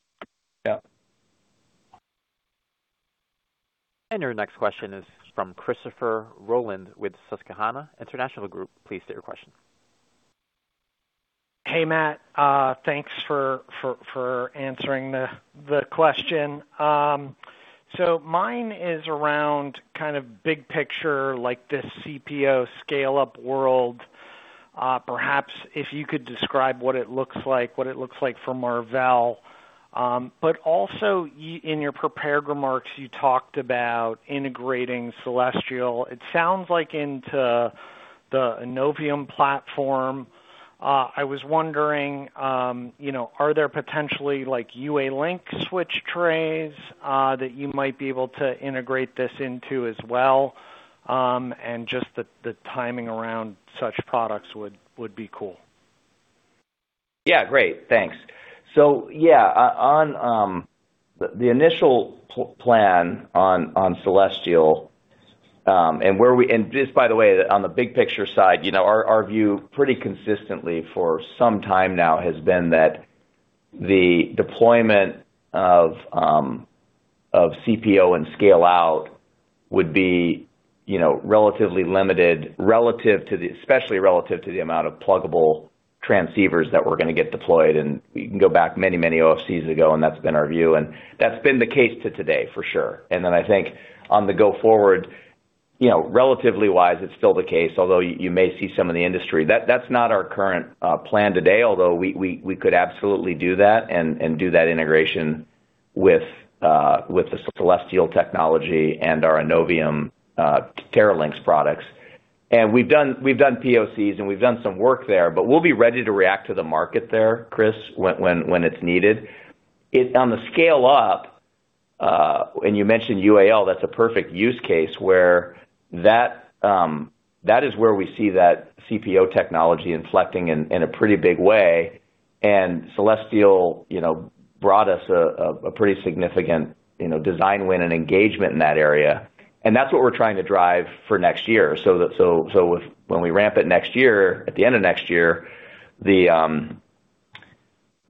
Yeah. Our next question is from Christopher Rolland with Susquehanna International Group. Please state your question. Hey, Matt, thanks for answering the question. Mine is around kind of big picture like this CPO scale-up world. Perhaps if you could describe what it looks like for Marvell. Also in your prepared remarks, you talked about integrating Celestial, it sounds like into the Innovium platform. I was wondering, you know, are there potentially like UALink switch trays that you might be able to integrate this into as well? Just the timing around such products would be cool. Yeah. Great. Thanks. On, the initial plan on Celestial, and just by the way, on the big picture side, you know, our view pretty consistently for some time now has been that the deployment of CPO and scale-out would be, you know, relatively limited, relative to the amount of pluggable transceivers that were gonna get deployed. You can go back many, many OFCs ago, and that's been our view, and that's been the case to today for sure. I think on the go forward, you know, relatively wise, it's still the case. Although you may see some in the industry. That's not our current plan today, although we could absolutely do that and do that integration with the Celestial technology and our Innovium Teralynx products. We've done POCs, and we've done some work there, but we'll be ready to react to the market there, Chris, when it's needed. On the scale up, and you mentioned UAL, that's a perfect use case where that is where we see that CPO technology inflecting in a pretty big way. Celestial, you know, brought us a pretty significant, you know, design win and engagement in that area. That's what we're trying to drive for next year. When we ramp it next year, at the end of next year, the,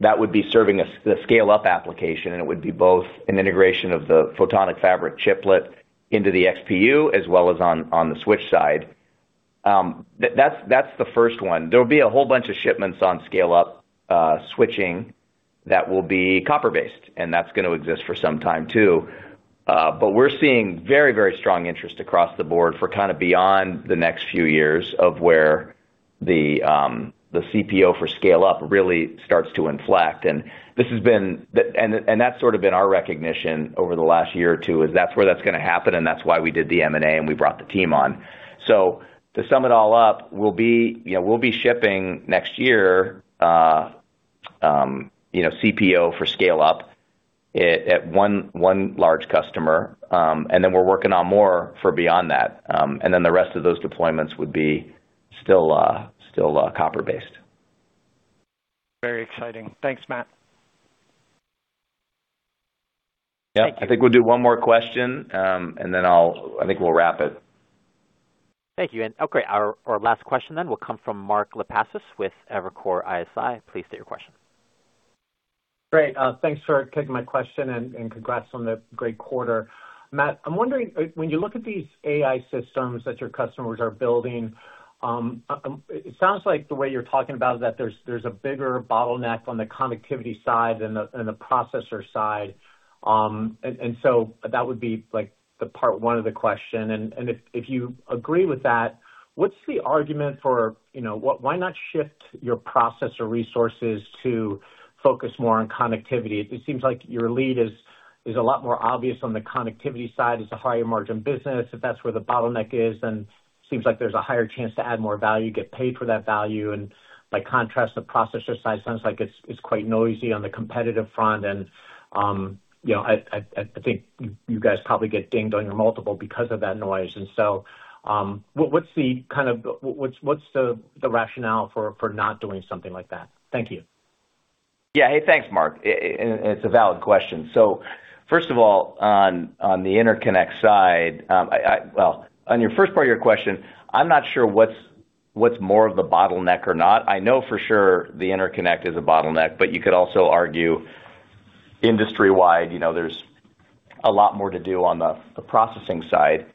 that would be serving the scale-up application, and it would be both an integration of the Photonic Fabric chiplet into the XPU as well as on the switch side. That's the first one. There'll be a whole bunch of shipments on scale-up switching that will be copper-based, and that's gonna exist for some time too. We're seeing very, very strong interest across the board for kinda beyond the next few years of where the CPO for scale-up really starts to inflect. That's sort of been our recognition over the last year or two, is that's where that's gonna happen, and that's why we did the M&A, and we brought the team on. To sum it all up, we'll be, you know, we'll be shipping next year, you know, CPO for scale-up at 1 large customer, and then the rest of those deployments would be still copper-based. Very exciting. Thanks, Matt. Yeah. I think we'll do one more question, and then I think we'll wrap it. Thank you. Okay, our last question then will come from Mark Lipacis with Evercore ISI. Please state your question. Great. Thanks for taking my question and congrats on the great quarter. Matt, I'm wondering, when you look at these AI systems that your customers are building, it sounds like the way you're talking about it, that there's a bigger bottleneck on the connectivity side than the processor side. That would be like the part one of the question. If you agree with that, what's the argument for, you know, why not shift your processor resources to focus more on connectivity? It seems like your lead is a lot more obvious on the connectivity side. It's a higher margin business. If that's where the bottleneck is, then seems like there's a higher chance to add more value, get paid for that value. By contrast, the processor side sounds like it's quite noisy on the competitive front. You know, I think you guys probably get dinged on your multiple because of that noise. What's the rationale for not doing something like that? Thank you. Yeah. Thanks, Mark. It's a valid question. First of all, on the interconnect side, Well, on your first part of your question, I'm not sure what's more of the bottleneck or not. I know for sure the interconnect is a bottleneck, but you could also argue industry-wide, you know, there's a lot more to do on the processing side.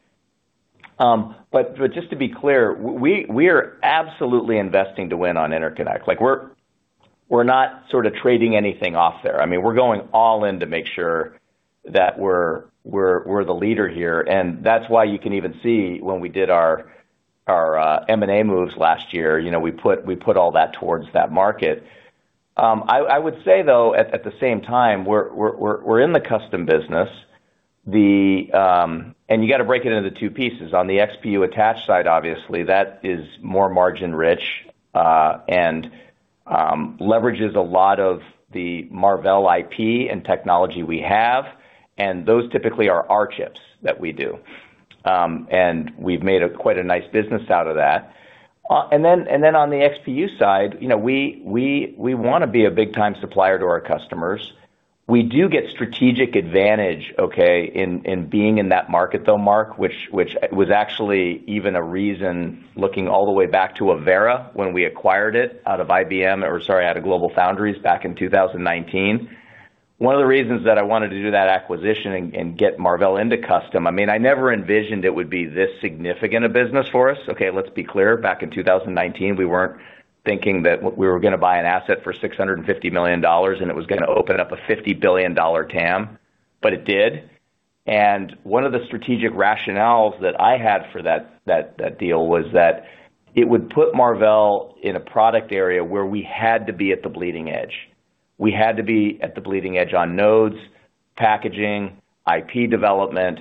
Just to be clear, we are absolutely investing to win on interconnect. Like we're not sort of trading anything off there. I mean, we're going all in to make sure that we're the leader here, and that's why you can even see when we did our M&A moves last year, you know, we put all that towards that market. I would say though at the same time, we're in the custom business. The, you gotta break it into two pieces. On the XPU attach side obviously, that is more margin-rich, and leverages a lot of the Marvell IP and technology we have, and those typically are our chips that we do. We've made a quite a nice business out of that. Then on the XPU side, you know, we wanna be a big time supplier to our customers. We do get strategic advantage, okay, in being in that market though, Mark, which was actually even a reason looking all the way back to Avera when we acquired it out of IBM or, sorry, out of GlobalFoundries back in 2019. One of the reasons that I wanted to do that acquisition and get Marvell into custom, I mean, I never envisioned it would be this significant a business for us. Okay, let's be clear. Back in 2019, we weren't thinking that we were gonna buy an asset for $650 million and it was gonna open up a $50 billion TAM, but it did. One of the strategic rationales that I had for that deal was that it would put Marvell in a product area where we had to be at the bleeding edge. We had to be at the bleeding edge on nodes, packaging, IP development,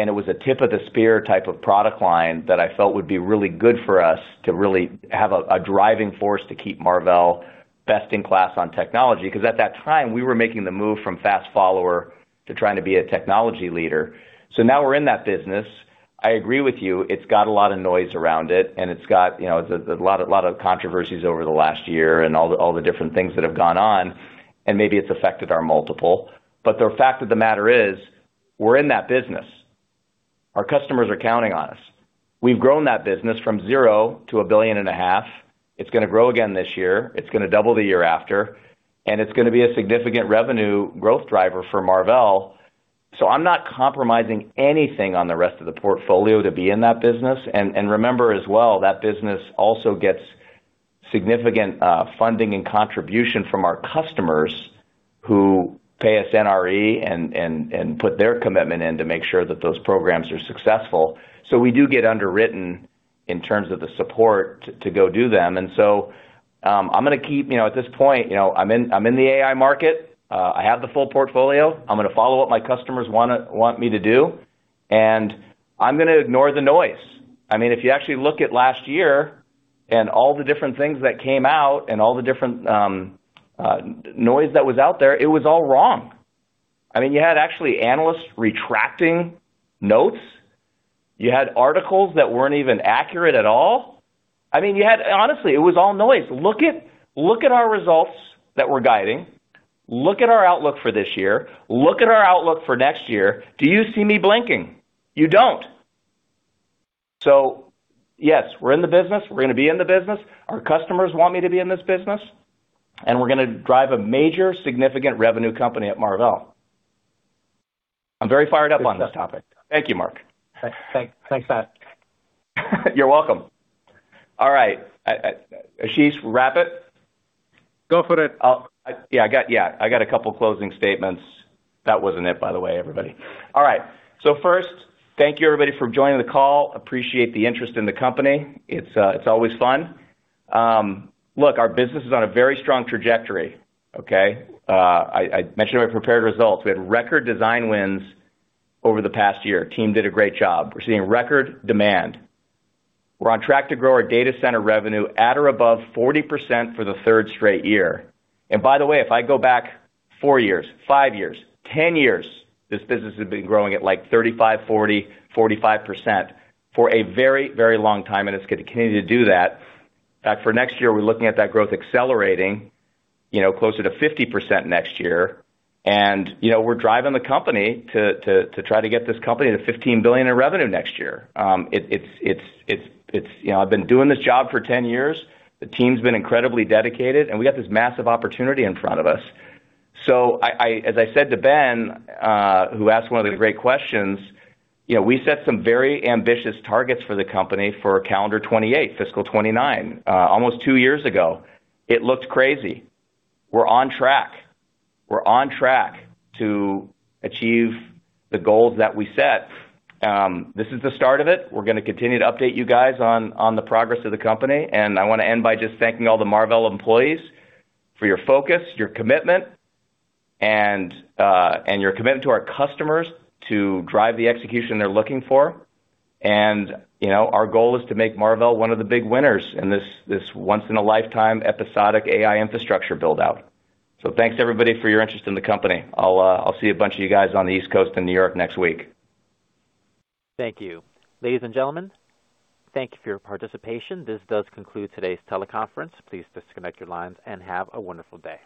and it was a tip-of-the-spear type of product line that I felt would be really good for us to really have a driving force to keep Marvell best in class on technology. 'Cause at that time, we were making the move from fast follower to trying to be a technology leader. Now we're in that business. I agree with you, it's got a lot of noise around it, and it's got, you know, a lot of controversies over the last year and all the different things that have gone on, and maybe it's affected our multiple. The fact of the matter is, we're in that business. Our customers are counting on us. We've grown that business from $0 billion-$1.5 billion. It's gonna grow again this year. It's gonna double the year after. It's gonna be a significant revenue growth driver for Marvell. I'm not compromising anything on the rest of the portfolio to be in that business. Remember as well, that business also gets significant funding and contribution from our customers who pay us NRE and put their commitment in to make sure that those programs are successful. We do get underwritten in terms of the support to go do them. I'm gonna keep... You know, at this point, you know, I'm in, I'm in the AI market. I have the full portfolio. I'm gonna follow what my customers want me to do, and I'm gonna ignore the noise. I mean, if you actually look at last year and all the different things that came out and all the different noise that was out there, it was all wrong. I mean, you had actually analysts retracting notes. You had articles that weren't even accurate at all. I mean, you had... Honestly, it was all noise. Look at our results that we're guiding. Look at our outlook for this year. Look at our outlook for next year. Do you see me blinking? You don't. Yes, we're in the business. We're gonna be in the business. Our customers want me to be in this business, and we're gonna drive a major significant revenue company at Marvell. I'm very fired up on this topic. Thank you, Mark. Thanks. Thanks, Pat. You're welcome. All right. Ashish, wrap it? Go for it. I got a couple closing statements. That wasn't it, by the way, everybody. All right. First, thank you everybody for joining the call. Appreciate the interest in the company. It's, it's always fun. Look, our business is on a very strong trajectory, okay? I mentioned in our prepared results, we had record design wins over the past year. Team did a great job. We're seeing record demand. We're on track to grow our data center revenue at or above 40% for the third straight year. By the way, if I go back four years, five years, 10 years, this business has been growing at like 35%, 40%, 45% for a very, very long time, and it's gonna continue to do that. For next year, we're looking at that growth accelerating, you know, closer to 50% next year. You know, we're driving the company to try to get this company to $15 billion in revenue next year. it's, you know, I've been doing this job for 10 years, the team's been incredibly dedicated, and we got this massive opportunity in front of us. As I said to Ben, who asked one of the great questions, you know, we set some very ambitious targets for the company for calendar 2028, fiscal 2029, almost two years ago. It looked crazy. We're on track. We're on track to achieve the goals that we set. This is the start of it. We're gonna continue to update you guys on the progress of the company. I wanna end by just thanking all the Marvell employees for your focus, your commitment, and your commitment to our customers to drive the execution they're looking for. You know, our goal is to make Marvell one of the big winners in this once in a lifetime episodic AI infrastructure build-out. Thanks everybody for your interest in the company. I'll see a bunch of you guys on the East Coast in New York next week. Thank you. Ladies and gentlemen, thank you for your participation. This does conclude today's teleconference. Please disconnect your lines and have a wonderful day.